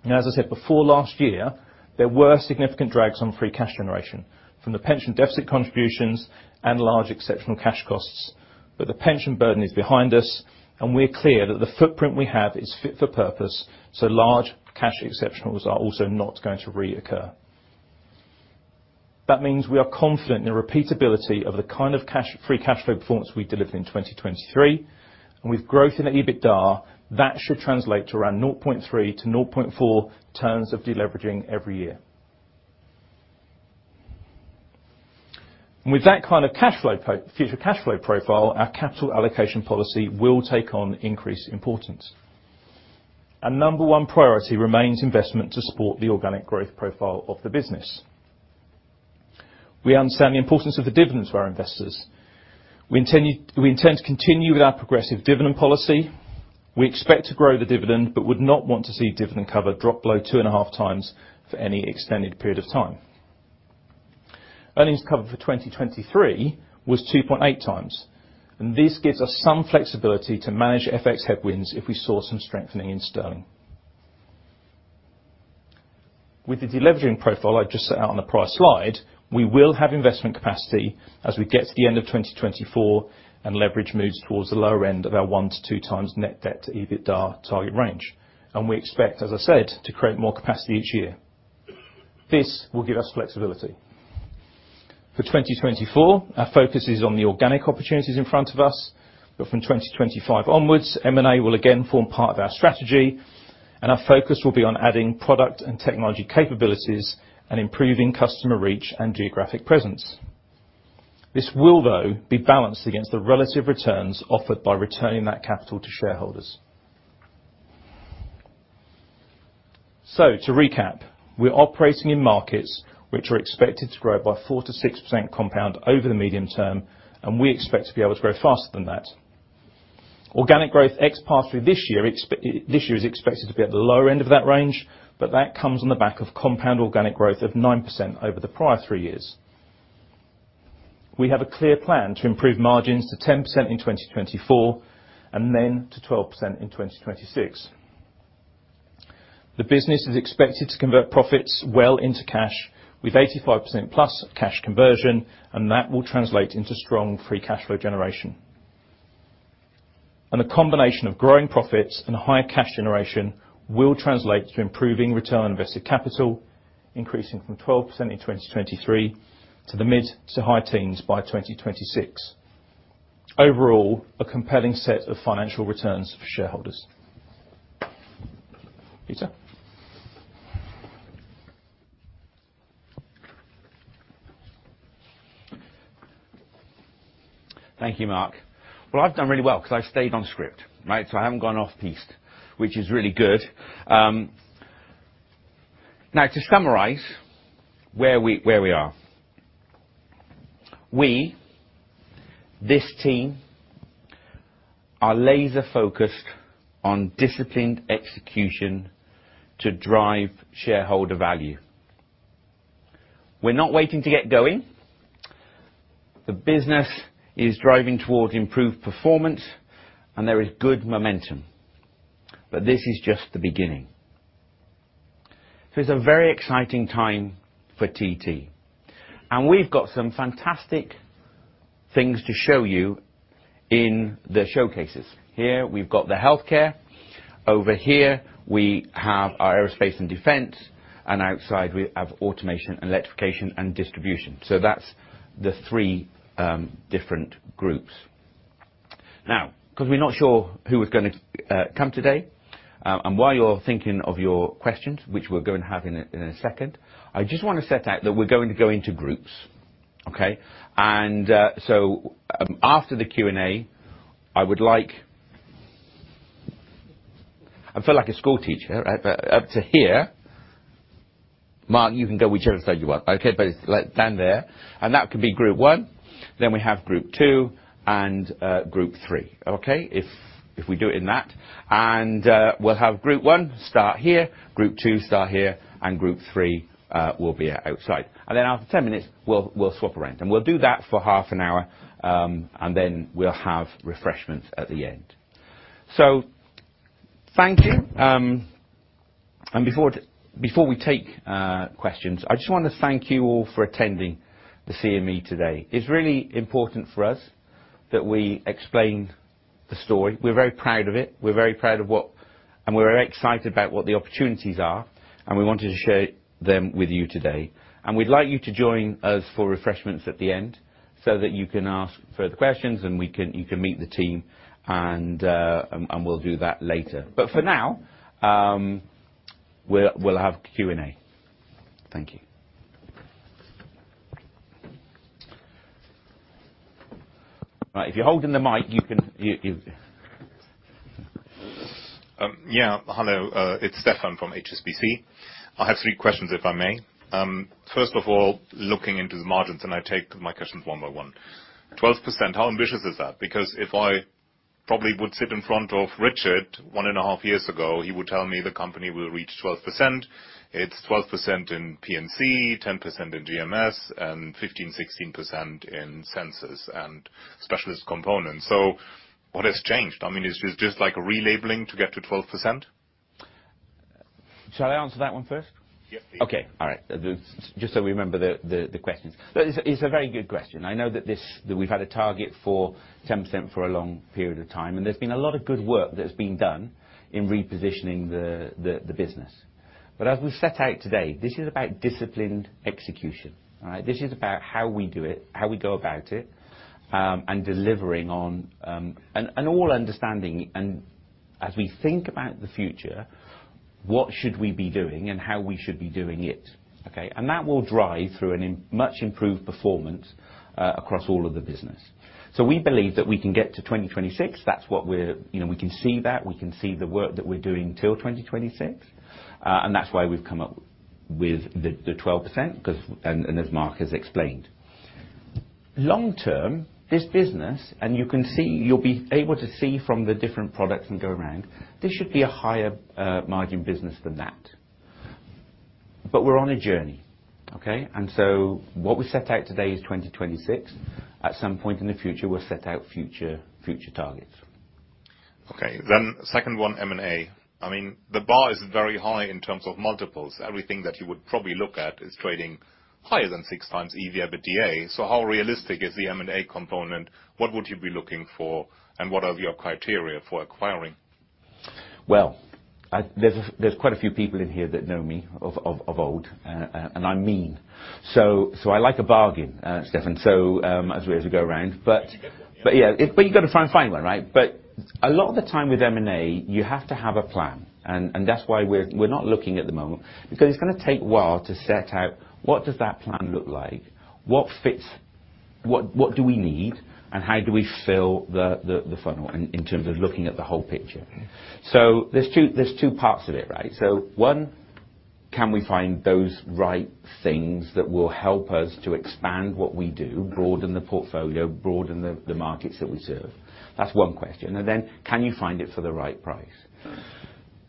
Now, as I said before, last year, there were significant drags on free cash generation from the pension deficit contributions and large exceptional cash costs, but the pension burden is behind us, and we're clear that the footprint we have is fit for purpose, so large cash exceptionals are also not going to reoccur. That means we are confident in the repeatability of the kind of cash free cash flow performance we delivered in 2023, and with growth in EBITDA, that should translate to around 0.3-0.4 turns of deleveraging every year. With that kind of cash flow future cash flow profile, our capital allocation policy will take on increased importance. Our number one priority remains investment to support the organic growth profile of the business. We understand the importance of the dividends to our investors. We intend to continue with our progressive dividend policy. We expect to grow the dividend but would not want to see dividend cover drop below 2.5 times for any extended period of time. Earnings cover for 2023 was 2.8 times, and this gives us some flexibility to manage FX headwinds if we saw some strengthening in sterling. With the deleveraging profile I just set out on the prior slide, we will have investment capacity as we get to the end of 2024 and leverage moves towards the lower end of our 1-2 times net debt to EBITDA target range, and we expect, as I said, to create more capacity each year. This will give us flexibility. For 2024, our focus is on the organic opportunities in front of us, but from 2025 onwards, M&A will again form part of our strategy, and our focus will be on adding product and technology capabilities and improving customer reach and geographic presence. This will, though, be balanced against the relative returns offered by returning that capital to shareholders. So to recap, we're operating in markets which are expected to grow by 4%-6% compound over the medium term, and we expect to be able to grow faster than that. Organic growth ex-pass-through this year is expected to be at the lower end of that range, but that comes on the back of compound organic growth of 9% over the prior three years. We have a clear plan to improve margins to 10% in 2024 and then to 12% in 2026. The business is expected to convert profits well into cash with 85% plus cash conversion, and that will translate into strong free cash flow generation. A combination of growing profits and higher cash generation will translate to improving return on invested capital, increasing from 12% in 2023 to the mid- to high teens by 2026. Overall, a compelling set of financial returns for shareholders. Peter? Thank you, Mark. Well, I've done really well because I've stayed on script, right? So I haven't gone off-piece, which is really good. Now, to summarize where we are, we, this team, are laser-focused on disciplined execution to drive shareholder value. We're not waiting to get going. The business is driving towards improved performance, and there is good momentum. But this is just the beginning. So it's a very exciting time for TT, and we've got some fantastic things to show you in the showcases. Here, we've got the healthcare. Over here, we have our aerospace and defense, and outside, we have automation and electrification and distribution. So that's the three different groups. Now, because we're not sure who was going to come today and while you're thinking of your questions, which we're going to have in a second, I just want to set out that we're going to go into groups, okay? And so after the Q&A, I would like. I feel like a schoolteacher, right? But up to here, Mark, you can go whichever side you want, okay? But stand there. And that could be group one. Then we have group two and group three, okay? If we do it in that. And we'll have group one start here, group two start here, and group three will be outside. And then after 10 minutes, we'll swap around. And we'll do that for half an hour, and then we'll have refreshments at the end. So thank you. Before we take questions, I just want to thank you all for attending the CME today. It's really important for us that we explain the story. We're very proud of it. We're very proud of what and we're very excited about what the opportunities are, and we wanted to share them with you today. We'd like you to join us for refreshments at the end so that you can ask further questions, and we can, you can meet the team, and we'll do that later. For now, we'll have Q&A. Thank you. Right. If you're holding the mic, you can. Yeah. Hello. It's Stephan from HSBC. I have three questions, if I may. First of all, looking into the margins, and I take my questions one by one. 12%, how ambitious is that? Because if I probably would sit in front of Richard 1.5 years ago, he would tell me the company will reach 12%. It's 12% in P&C, 10% in GMS, and 15%-16% in Sensors and Specialist Components. So what has changed? I mean, is it just like relabelling to get to 12%? Shall I answer that one first? Yes, please. Okay. All right. Just so we remember the questions. It's a very good question. I know that this that we've had a target for 10% for a long period of time, and there's been a lot of good work that has been done in repositioning the business. But as we set out today, this is about disciplined execution, all right? This is about how we do it, how we go about it, and delivering on an all-understanding and as we think about the future, what should we be doing and how we should be doing it, okay? And that will drive through a much-improved performance across all of the business. So we believe that we can get to 2026. That's what we can see. We can see the work that we're doing till 2026, and that's why we've come up with the 12% because and as Mark has explained, long term, this business and you can see you'll be able to see from the different products and go around, this should be a higher-margin business than that. But we're on a journey, okay? And so what we set out today is 2026. At some point in the future, we'll set out future targets. Okay. Then second one, M&A. I mean, the bar is very high in terms of multiples. Everything that you would probably look at is trading higher than 6 times EV/EBITDA. So how realistic is the M&A component? What would you be looking for, and what are your criteria for acquiring? Well, there's quite a few people in here that know me of old, and I mean. So I like a bargain, Stephan, as we go around. But yeah. But you've got to try and find one, right? But a lot of the time with M&A, you have to have a plan, and that's why we're not looking at the moment because it's going to take a while to set out what does that plan look like, what fits, what do we need, and how do we fill the funnel in terms of looking at the whole picture. So there's two parts of it, right? So one, can we find those right things that will help us to expand what we do, broaden the portfolio, broaden the markets that we serve? That's one question. And then, can you find it for the right price?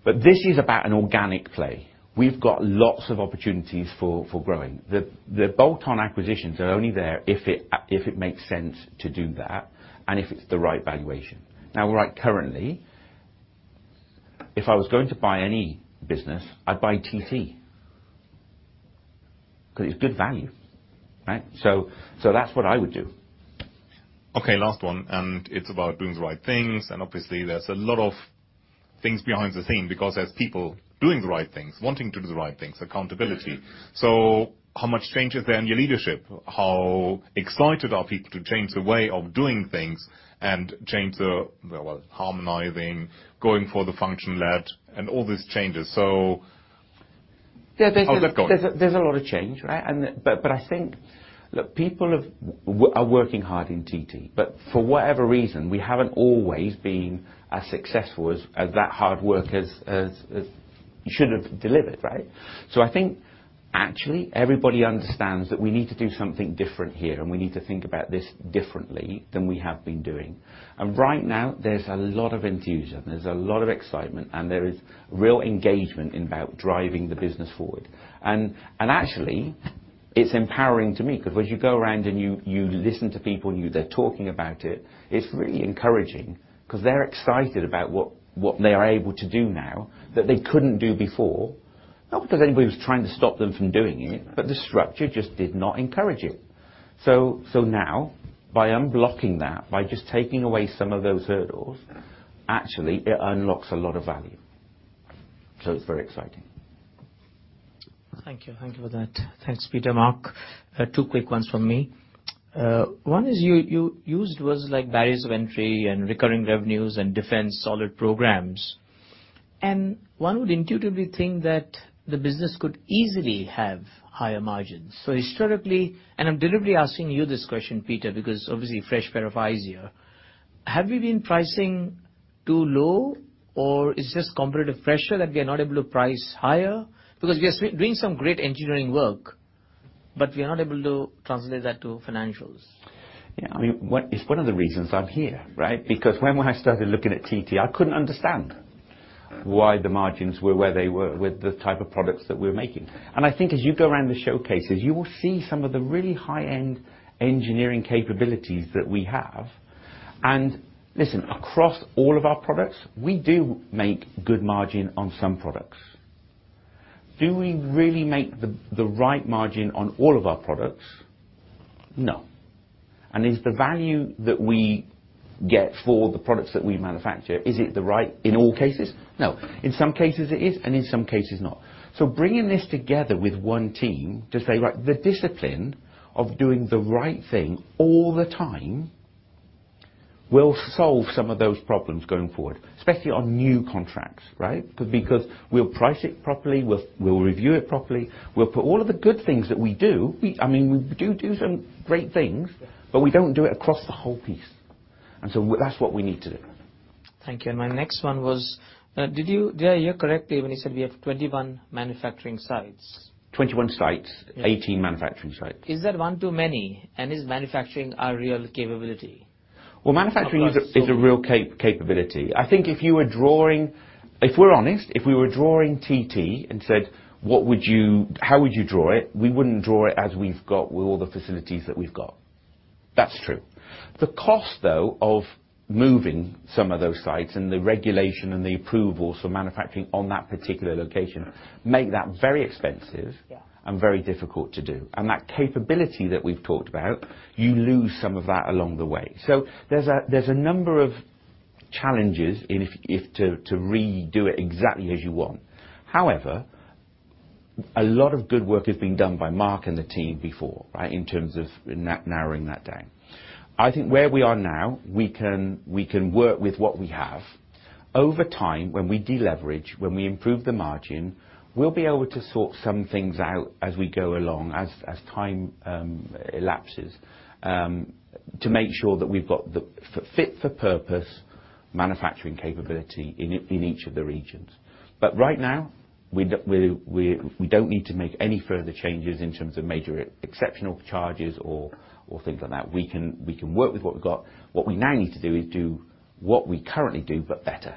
But this is about an organic play. We've got lots of opportunities for growing. The bolt-on acquisitions are only there if it makes sense to do that and if it's the right valuation. Now, right currently, if I was going to buy any business, I'd buy TT because it's good value, right? So that's what I would do. Okay. Last one. And it's about doing the right things. And obviously, there's a lot of things behind the scenes because there's people doing the right things, wanting to do the right things, accountability. So how much change is there in your leadership? How excited are people to change the way of doing things and change the, well, harmonizing, going for the function-led, and all these changes? So how's that going? Yeah. There's a lot of change, right? But I think, look, people are working hard in TT. But for whatever reason, we haven't always been as successful as that hard work should have delivered, right? So I think, actually, everybody understands that we need to do something different here, and we need to think about this differently than we have been doing. And right now, there's a lot of enthusiasm. There's a lot of excitement, and there is real engagement about driving the business forward. And actually, it's empowering to me because as you go around and you listen to people and they're talking about it, it's really encouraging because they're excited about what they are able to do now that they couldn't do before, not because anybody was trying to stop them from doing it, but the structure just did not encourage it. So now, by unblocking that, by just taking away some of those hurdles, actually, it unlocks a lot of value. So it's very exciting. Thank you. Thank you for that. Thanks, Peter, Mark. Two quick ones from me. One is, you used words like barriers to entry and recurring revenues and defense, solid programs. One would intuitively think that the business could easily have higher margins. So, historically, and I'm deliberately asking you this question, Peter, because obviously, fresh pair of eyes here: Have we been pricing too low, or is it just competitive pressure that we are not able to price higher because we are doing some great engineering work, but we are not able to translate that to financials? Yeah. I mean, it's one of the reasons I'm here, right? Because when I started looking at TT, I couldn't understand why the margins were where they were with the type of products that we were making. I think as you go around the showcases, you will see some of the really high-end engineering capabilities that we have. Listen, across all of our products, we do make good margin on some products. Do we really make the right margin on all of our products? No. Is the value that we get for the products that we manufacture, is it the right in all cases? No. In some cases, it is, and in some cases, not. Bringing this together with one team to say, right, the discipline of doing the right thing all the time will solve some of those problems going forward, especially on new contracts, right? Because we'll price it properly. We'll review it properly. We'll put all of the good things that we do, I mean, we do do some great things, but we don't do it across the whole piece. And so that's what we need to do. Thank you. My next one was, did I hear correctly when you said we have 21 manufacturing sites? 21 sites, 18 manufacturing sites. Is that one too many, and is manufacturing a real capability? Well, manufacturing is a real capability. I think if we're honest, if we were drawing TT and said, "What would you, how would you draw it?" we wouldn't draw it as we've got with all the facilities that we've got. That's true. The cost, though, of moving some of those sites and the regulation and the approvals for manufacturing on that particular location make that very expensive and very difficult to do. And that capability that we've talked about, you lose some of that along the way. So there's a number of challenges to redo it exactly as you want. However, a lot of good work has been done by Mark and the team before, right, in terms of narrowing that down. I think where we are now, we can work with what we have. Over time, when we deleverage, when we improve the margin, we'll be able to sort some things out as we go along, as time elapses, to make sure that we've got the fit-for-purpose manufacturing capability in each of the regions. But right now, we don't need to make any further changes in terms of major exceptional charges or things like that. We can work with what we've got. What we now need to do is do what we currently do but better.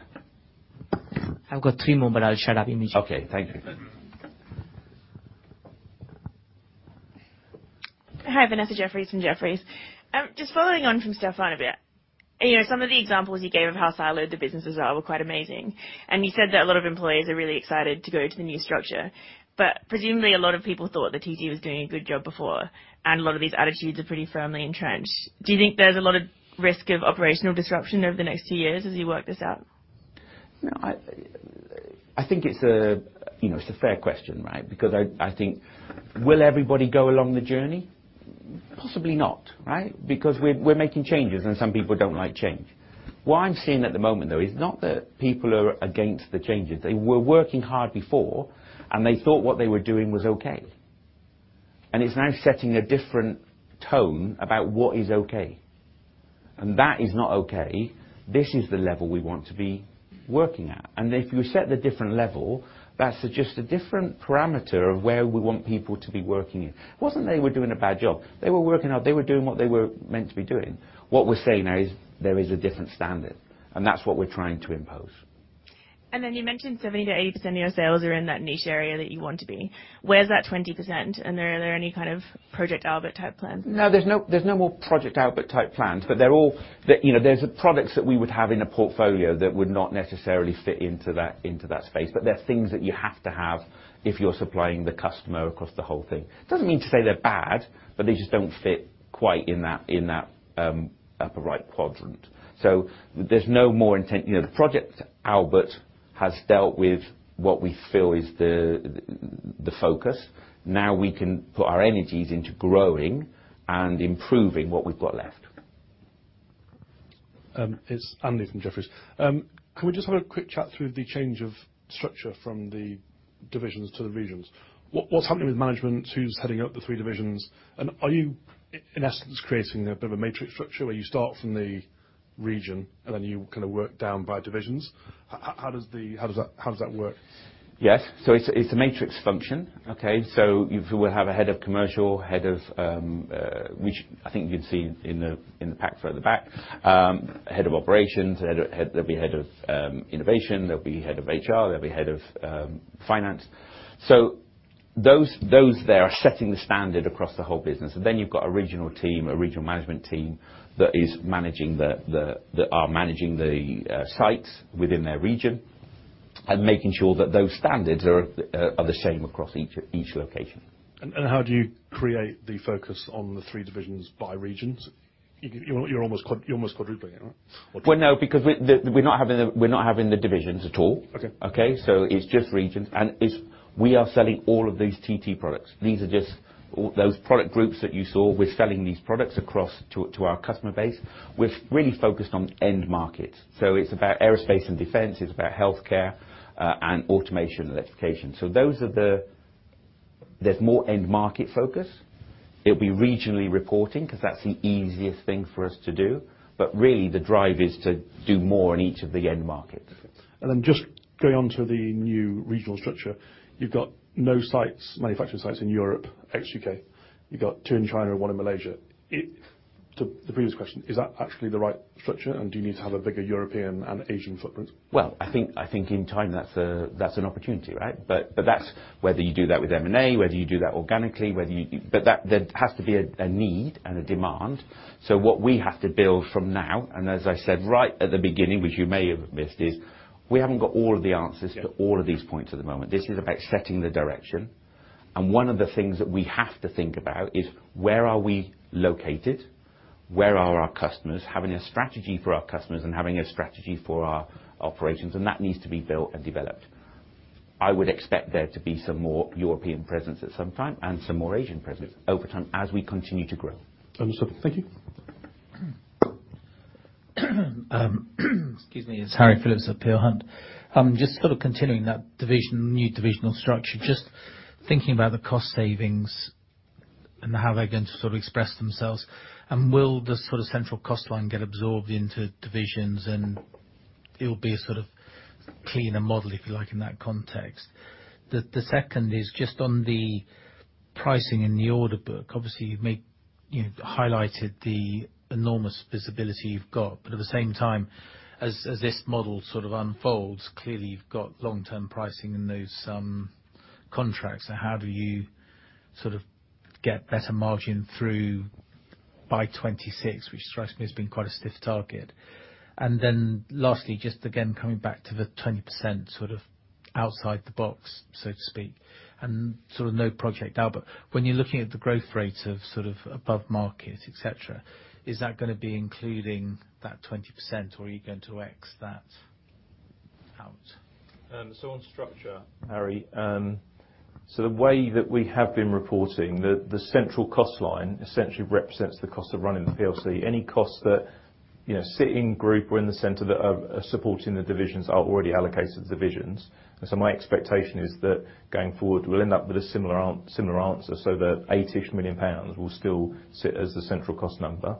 I've got three more, but I'll shut up immediately. Okay. Thank you. Hi. Vanessa Jeffriess from Jefferies. Just following on from Stephan a bit. Some of the examples you gave of how siloed the businesses are were quite amazing. And you said that a lot of employees are really excited to go to the new structure. But presumably, a lot of people thought that TT was doing a good job before, and a lot of these attitudes are pretty firmly entrenched. Do you think there's a lot of risk of operational disruption over the next two years as you work this out? No. I think it's a fair question, right? Because I think will everybody go along the journey? Possibly not, right? Because we're making changes, and some people don't like change. What I'm seeing at the moment, though, is not that people are against the changes. They were working hard before, and they thought what they were doing was okay. And it's now setting a different tone about what is okay. And that is not okay. This is the level we want to be working at. And if you set the different level, that's just a different parameter of where we want people to be working in. It wasn't they were doing a bad job. They were working out they were doing what they were meant to be doing. What we're saying now is there is a different standard, and that's what we're trying to impose. And then you mentioned 70%-80% of your sales are in that niche area that you want to be. Where's that 20%, and are there any kind of Project Output type plans? No. There's no more Project Output type plans, but they're all there's products that we would have in a portfolio that would not necessarily fit into that space. But they're things that you have to have if you're supplying the customer across the whole thing. It doesn't mean to say they're bad, but they just don't fit quite in that upper right quadrant. So there's no more intent the project output has dealt with what we feel is the focus. Now, we can put our energies into growing and improving what we've got left. It's Andy from Jefferies. Can we just have a quick chat through the change of structure from the divisions to the regions? What's happening with management? Who's heading up the three divisions? And are you, in essence, creating a bit of a matrix structure where you start from the region, and then you kind of work down by divisions? How does that work? Yes. So it's a matrix function, okay? So we'll have a head of commercial, head of which I think you can see in the pack further back, head of operations. There'll be head of innovation. There'll be head of HR. There'll be head of finance. So those there are setting the standard across the whole business. And then you've got a regional team, a regional management team that is managing the sites within their region and making sure that those standards are the same across each location. How do you create the focus on the three divisions by regions? You're almost quadrupling it, right? Well, no, because we're not having the divisions at all, okay? So it's just regions. And we are selling all of these TT products. These are just those product groups that you saw. We're selling these products across to our customer base. We're really focused on end markets. So it's about aerospace and defense. It's about healthcare and automation and electrification. So there's more end market focus. It'll be regionally reporting because that's the easiest thing for us to do. But really, the drive is to do more in each of the end markets. And then just going on to the new regional structure, you've got no manufacturing sites in Europe, ex-U.K.. You've got two in China and one in Malaysia. To the previous question, is that actually the right structure, and do you need to have a bigger European and Asian footprint? Well, I think in time, that's an opportunity, right? But that's whether you do that with M&A, whether you do that organically, but there has to be a need and a demand. So what we have to build from now and as I said right at the beginning, which you may have missed, is we haven't got all of the answers to all of these points at the moment. This is about setting the direction. One of the things that we have to think about is where are we located? Where are our customers? Having a strategy for our customers and having a strategy for our operations, and that needs to be built and developed. I would expect there to be some more European presence at some time and some more Asian presence over time as we continue to grow. Understood. Thank you. Excuse me. It's Harry Philips of Peel Hunt. Just sort of continuing that new divisional structure, just thinking about the cost savings and how they're going to sort of express themselves. And will the sort of central cost line get absorbed into divisions, and it'll be a sort of cleaner model, if you like, in that context? The second is just on the pricing and the order book. Obviously, you've highlighted the enormous visibility you've got. But at the same time, as this model sort of unfolds, clearly, you've got long-term pricing in those contracts. So how do you sort of get better margin by 2026, which strikes me as being quite a stiff target? And then lastly, just again coming back to the 20% sort of outside the box, so to speak, and sort of no project output. When you're looking at the growth rates of sort of above market, etc., is that going to be including that 20%, or are you going to X that out? On structure. Harry. So the way that we have been reporting, the central cost line essentially represents the cost of running the PLC. Any costs that sit in group or in the centre that are supporting the divisions are already allocated to the divisions. And so my expectation is that going forward, we'll end up with a similar answer. So the 8-ish million pounds will still sit as the central cost number,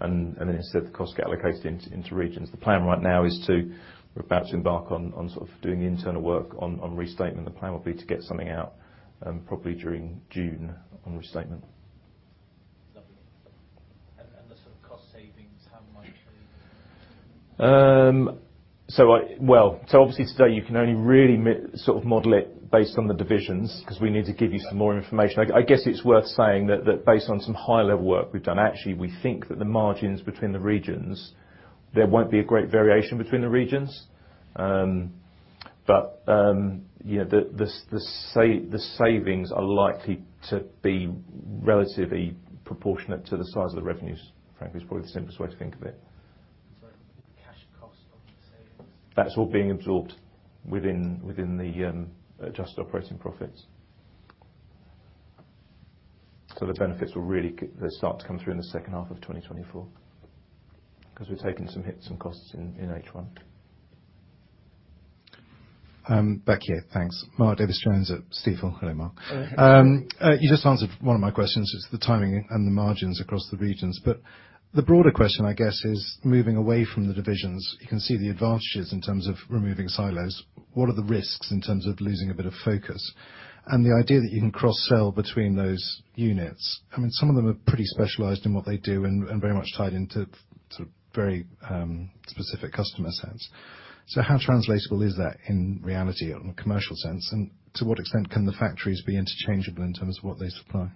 and then instead, the costs get allocated into regions. The plan right now is we're about to embark on sort of doing internal work on restatement. The plan will be to get something out probably during June on restatement. Lovely. The sort of cost savings, how much are you looking at? Well, so obviously, today, you can only really sort of model it based on the divisions because we need to give you some more information. I guess it's worth saying that based on some high-level work we've done, actually, we think that the margins between the regions, there won't be a great variation between the regions. But the savings are likely to be relatively proportionate to the size of the revenues, frankly. It's probably the simplest way to think of it. Sorry. Cash cost of the savings? That's all being absorbed within the adjusted operating profits. So the benefits will really start to come through in the second half of 2024 because we're taking some hits and costs in H1. Back here. Thanks. Mark Davies Jones at Stifel. Hello, Mark. You just answered one of my questions. It's the timing and the margins across the regions. But the broader question, I guess, is moving away from the divisions. You can see the advantages in terms of removing silos. What are the risks in terms of losing a bit of focus and the idea that you can cross-sell between those units? I mean, some of them are pretty specialized in what they do and very much tied into sort of very specific customer sets. So how translatable is that in reality in a commercial sense? And to what extent can the factories be interchangeable in terms of what they supply?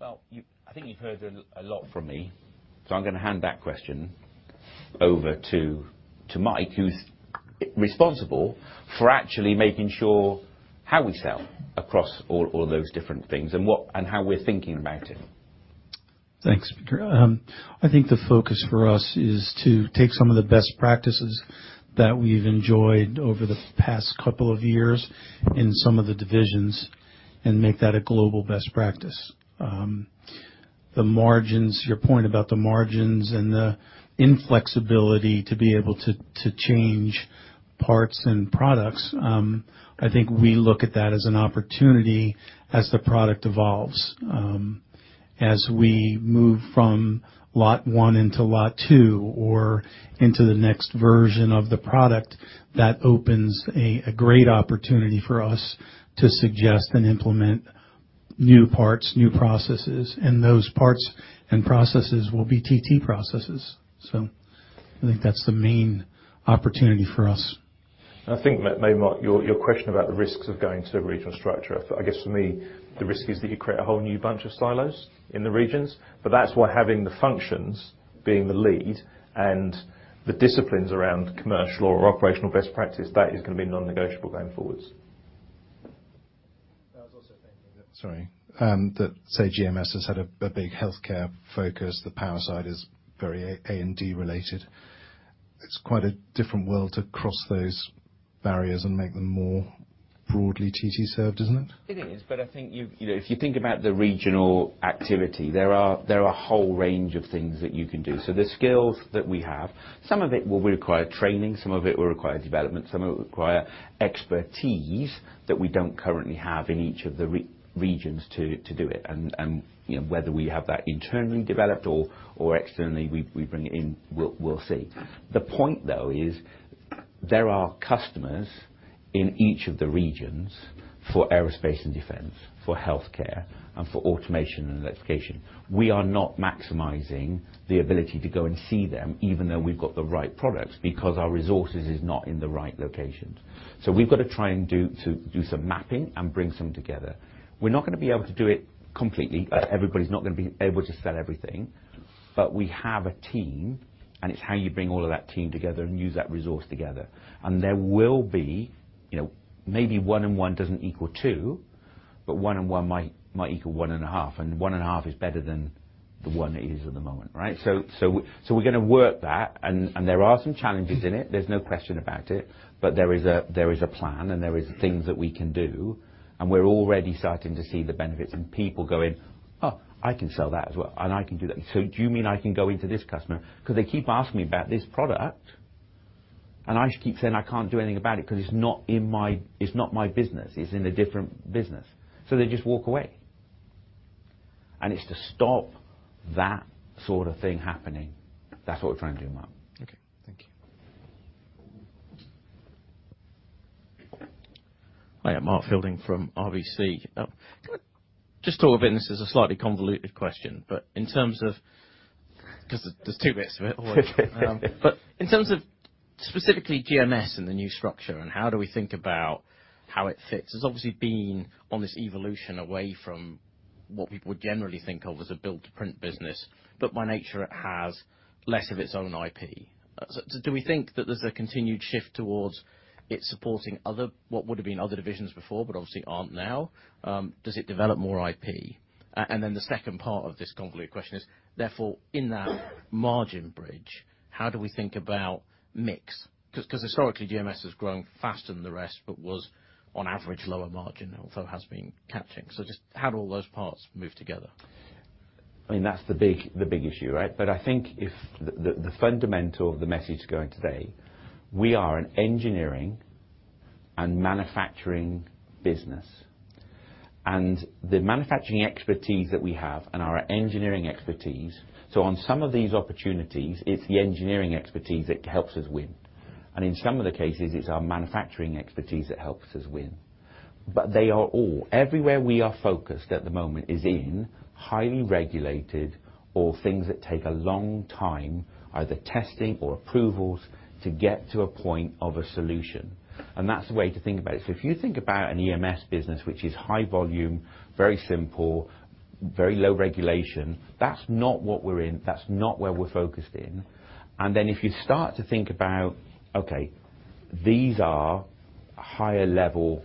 Well, I think you've heard a lot from me, so I'm going to hand that question over to Mike, who's responsible for actually making sure how we sell across all of those different things and how we're thinking about it. Thanks, Speaker. I think the focus for us is to take some of the best practices that we've enjoyed over the past couple of years in some of the divisions and make that a global best practice. Your point about the margins and the inflexibility to be able to change parts and products, I think we look at that as an opportunity as the product evolves. As we move from Lot One into Lot Two or into the next version of the product, that opens a great opportunity for us to suggest and implement new parts, new processes. And those parts and processes will be TT processes. So I think that's the main opportunity for us. I think, Mark, your question about the risks of going to a regional structure, I guess for me, the risk is that you create a whole new bunch of silos in the regions. But that's why having the functions being the lead and the disciplines around commercial or operational best practice, that is going to be non-negotiable going forwards. I was also thinking that, sorry, that, say, GMS has had a big healthcare focus. The power side is very A&D related. It's quite a different world to cross those barriers and make them more broadly TT-served, isn't it? It is. But I think if you think about the regional activity, there are a whole range of things that you can do. So the skills that we have, some of it will require training. Some of it will require development. Some of it will require expertise that we don't currently have in each of the regions to do it. And whether we have that internally developed or externally, we bring it in, we'll see. The point, though, is there are customers in each of the regions for aerospace and defense, for healthcare, and for automation and electrification. We are not maximizing the ability to go and see them, even though we've got the right products, because our resources are not in the right locations. So we've got to try and do some mapping and bring some together. We're not going to be able to do it completely. Everybody's not going to be able to sell everything. But we have a team, and it's how you bring all of that team together and use that resource together. And there will be maybe one and one doesn't equal two, but one and one might equal one and a half. And one and a half is better than the one it is at the moment, right? So we're going to work that. And there are some challenges in it. There's no question about it. But there is a plan, and there are things that we can do. And we're already starting to see the benefits and people going, "Oh, I can sell that as well, and I can do that." So do you mean I can go into this customer? Because they keep asking me about this product, and I keep saying I can't do anything about it because it's not my business. It's in a different business. So they just walk away. And it's to stop that sort of thing happening. That's what we're trying to do, Mark. Okay. Thank you. Hi. I'm Mark Fielding from RBC. Just talk a bit and this is a slightly convoluted question, but in terms of because there's two bits of it always. But in terms of specifically GMS and the new structure and how do we think about how it fits, it's obviously been on this evolution away from what people would generally think of as a build-to-print business, but by nature, it has less of its own IP. So do we think that there's a continued shift towards it supporting what would have been other divisions before but obviously aren't now? Does it develop more IP? And then the second part of this convoluted question is, therefore, in that margin bridge, how do we think about mix? Because historically, GMS has grown faster than the rest but was, on average, lower margin, although has been catching. So just how do all those parts move together? I mean, that's the big issue, right? But I think the fundamental of the message going today, we are an engineering and manufacturing business. And the manufacturing expertise that we have and our engineering expertise so on some of these opportunities, it's the engineering expertise that helps us win. And in some of the cases, it's our manufacturing expertise that helps us win. But they are all. Everywhere we are focused at the moment is in highly regulated or things that take a long time, either testing or approvals, to get to a point of a solution. And that's the way to think about it. So if you think about an EMS business, which is high volume, very simple, very low regulation, that's not what we're in. That's not where we're focused in. And then if you start to think about, "Okay. These are higher-level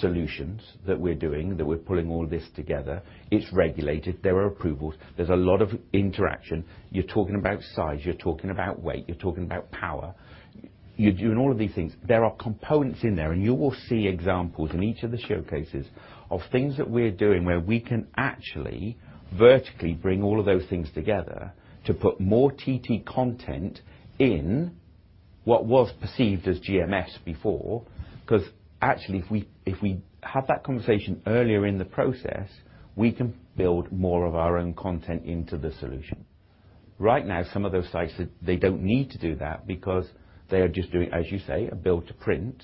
solutions that we're doing, that we're pulling all this together. It's regulated. There are approvals. There are a lot of interaction. You're talking about size. You're talking about weight. You're talking about power. You're doing all of these things." There are components in there, and you will see examples in each of the showcases of things that we're doing where we can actually vertically bring all of those things together to put more TT content in what was perceived as GMS before. Because actually, if we have that conversation earlier in the process, we can build more of our own content into the solution. Right now, some of those sites, they don't need to do that because they are just doing, as you say, a build-to-print.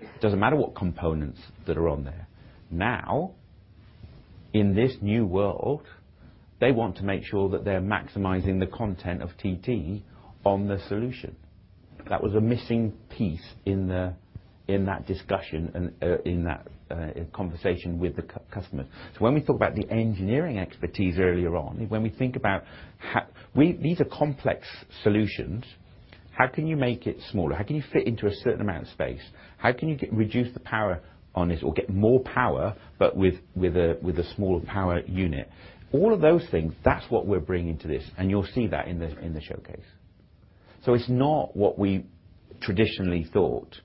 It doesn't matter what components that are on there. Now, in this new world, they want to make sure that they're maximizing the content of TT on the solution. That was a missing piece in that discussion and in that conversation with the customers. So when we talk about the engineering expertise earlier on, when we think about these are complex solutions. How can you make it smaller? How can you fit into a certain amount of space? How can you reduce the power on this or get more power but with a smaller power unit? All of those things, that's what we're bringing to this, and you'll see that in the showcase. So it's not what we traditionally thought.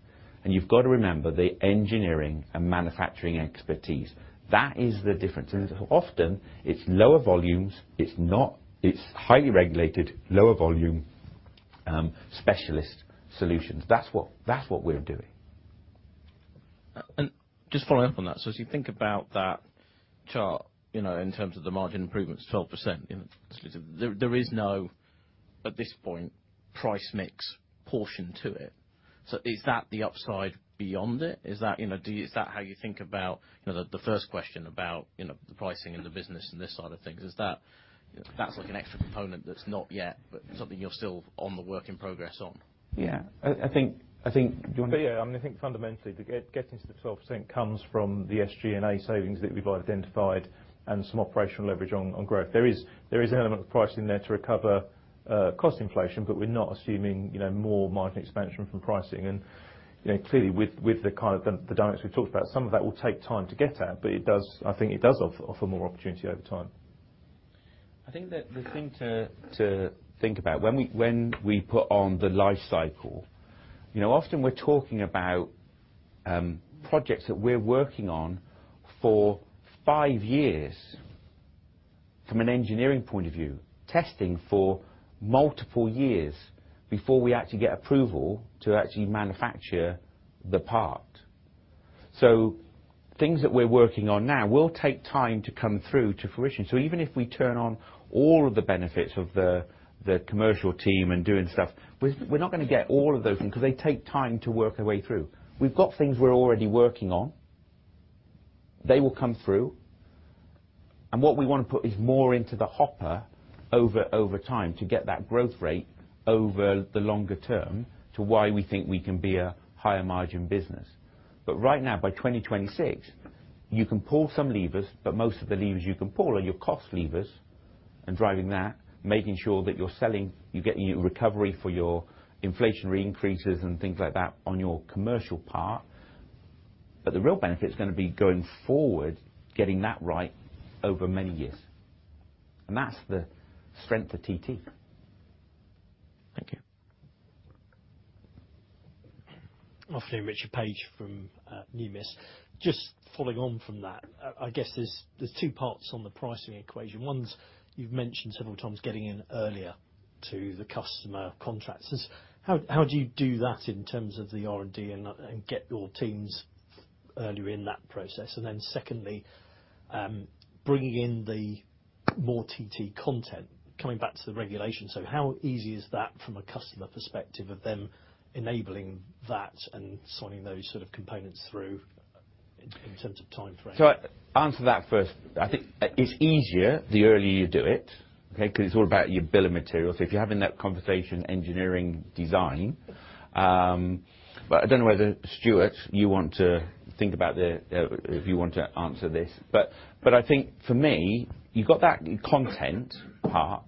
You've got to remember the engineering and manufacturing expertise. That is the difference. Often, it's lower volumes. It's highly regulated, lower-volume specialist solutions. That's what we're doing. Just following up on that. So as you think about that chart in terms of the margin improvements, 12%, there is no, at this point, price-mix portion to it. So is that the upside beyond it? Is that how you think about the first question about the pricing and the business and this side of things? That's like an extra component that's not yet but something you're still on the work in progress on. Yeah. I think do you want to? But yeah. I mean, I think fundamentally, getting to the 12% comes from the SG&A savings that we've identified and some operational leverage on growth. There is an element of pricing there to recover cost inflation, but we're not assuming more margin expansion from pricing. And clearly, with the kind of the dynamics we've talked about, some of that will take time to get out. But I think it does offer more opportunity over time. I think that the thing to think about, when we put on the life cycle, often we're talking about projects that we're working on for five years from an engineering point of view, testing for multiple years before we actually get approval to actually manufacture the part. So things that we're working on now will take time to come through to fruition. So even if we turn on all of the benefits of the commercial team and doing stuff, we're not going to get all of those things because they take time to work their way through. We've got things we're already working on. They will come through. And what we want to put is more into the hopper over time to get that growth rate over the longer term to why we think we can be a higher-margin business. But right now, by 2026, you can pull some levers, but most of the levers you can pull are your cost levers and driving that, making sure that you're getting your recovery for your inflationary increases and things like that on your commercial part. But the real benefit's going to be going forward, getting that right over many years. And that's the strength of TT. Thank you. I'm fine. Richard Paige from Numis. Just following on from that, I guess there's two parts on the pricing equation. One's you've mentioned several times getting in earlier to the customer contracts. How do you do that in terms of the R&D and get your teams earlier in that process? And then secondly, bringing in the more TT content. Coming back to the regulation, so how easy is that from a customer perspective of them enabling that and signing those sort of components through in terms of timeframe? So I'll answer that first. I think it's easier the earlier you do it, okay, because it's all about your bill of materials. So if you're having that conversation. Engineering design. But I don't know whether, Stuart, you want to think about if you want to answer this. But I think for me, you've got that content part.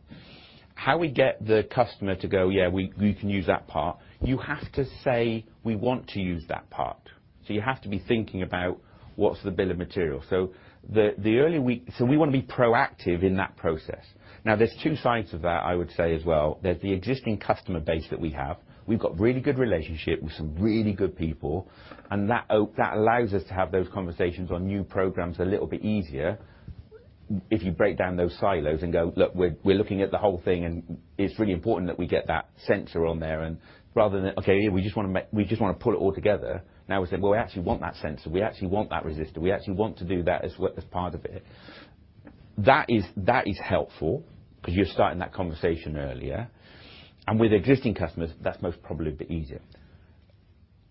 How we get the customer to go, "Yeah. We can use that part," you have to say, "We want to use that part." So you have to be thinking about what's the bill of materials. So the early week so we want to be proactive in that process. Now, there's two sides of that, I would say, as well. There's the existing customer base that we have. We've got really good relationship with some really good people. And that allows us to have those conversations on new programs a little bit easier if you break down those silos and go, "Look. We're looking at the whole thing, and it's really important that we get that sensor on there." And rather than, "Okay. Yeah. We just want to pull it all together," now we're saying, "Well, we actually want that sensor. We actually want that resistor. We actually want to do that as part of it." That is helpful because you're starting that conversation earlier. And with existing customers, that's most probably a bit easier.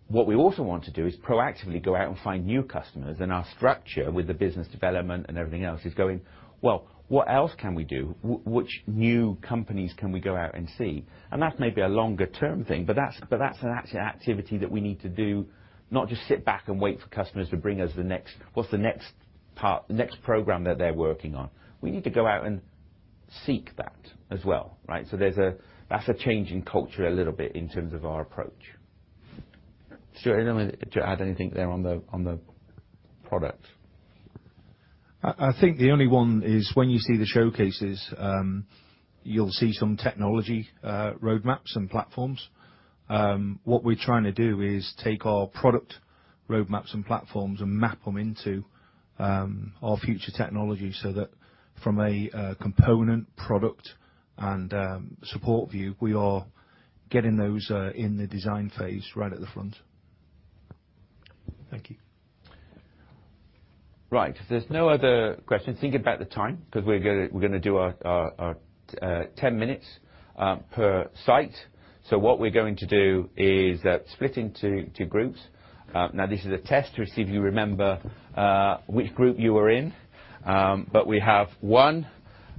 What we also want to do is proactively go out and find new customers. And our structure with the business development and everything else is going, "Well, what else can we do? Which new companies can we go out and see?" And that's maybe a longer-term thing, but that's an actual activity that we need to do, not just sit back and wait for customers to bring us what's the next program that they're working on. We need to go out and seek that as well, right? So that's a change in culture a little bit in terms of our approach. Stuart, did you want to add anything there on the product? I think the only one is when you see the showcases, you'll see some technology roadmaps and platforms. What we're trying to do is take our product roadmaps and platforms and map them into our future technology so that from a component, product, and support view, we are getting those in the design phase right at the front. Thank you. Right. There's no other questions. Think about the time because we're going to do our 10 minutes per site. So what we're going to do is split into groups. Now, this is a test to see if you remember which group you were in. But we have one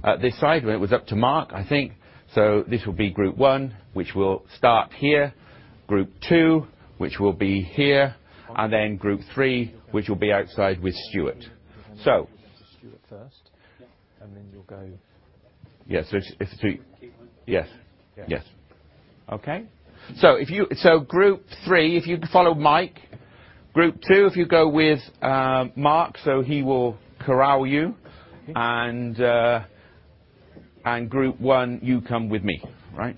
at this side where it was up to Mark, I think. So this will be group one, which will start here. Group two, which will be here. And then group three, which will be outside with Stuart. So. We'll get to Stuart first, and then you'll go. Yeah. So if it's a. Keep one. Yes. Yes. Okay. So group three, if you follow Mike. Group two, if you go with Mark, so he will corral you. And group one, you come with me, right?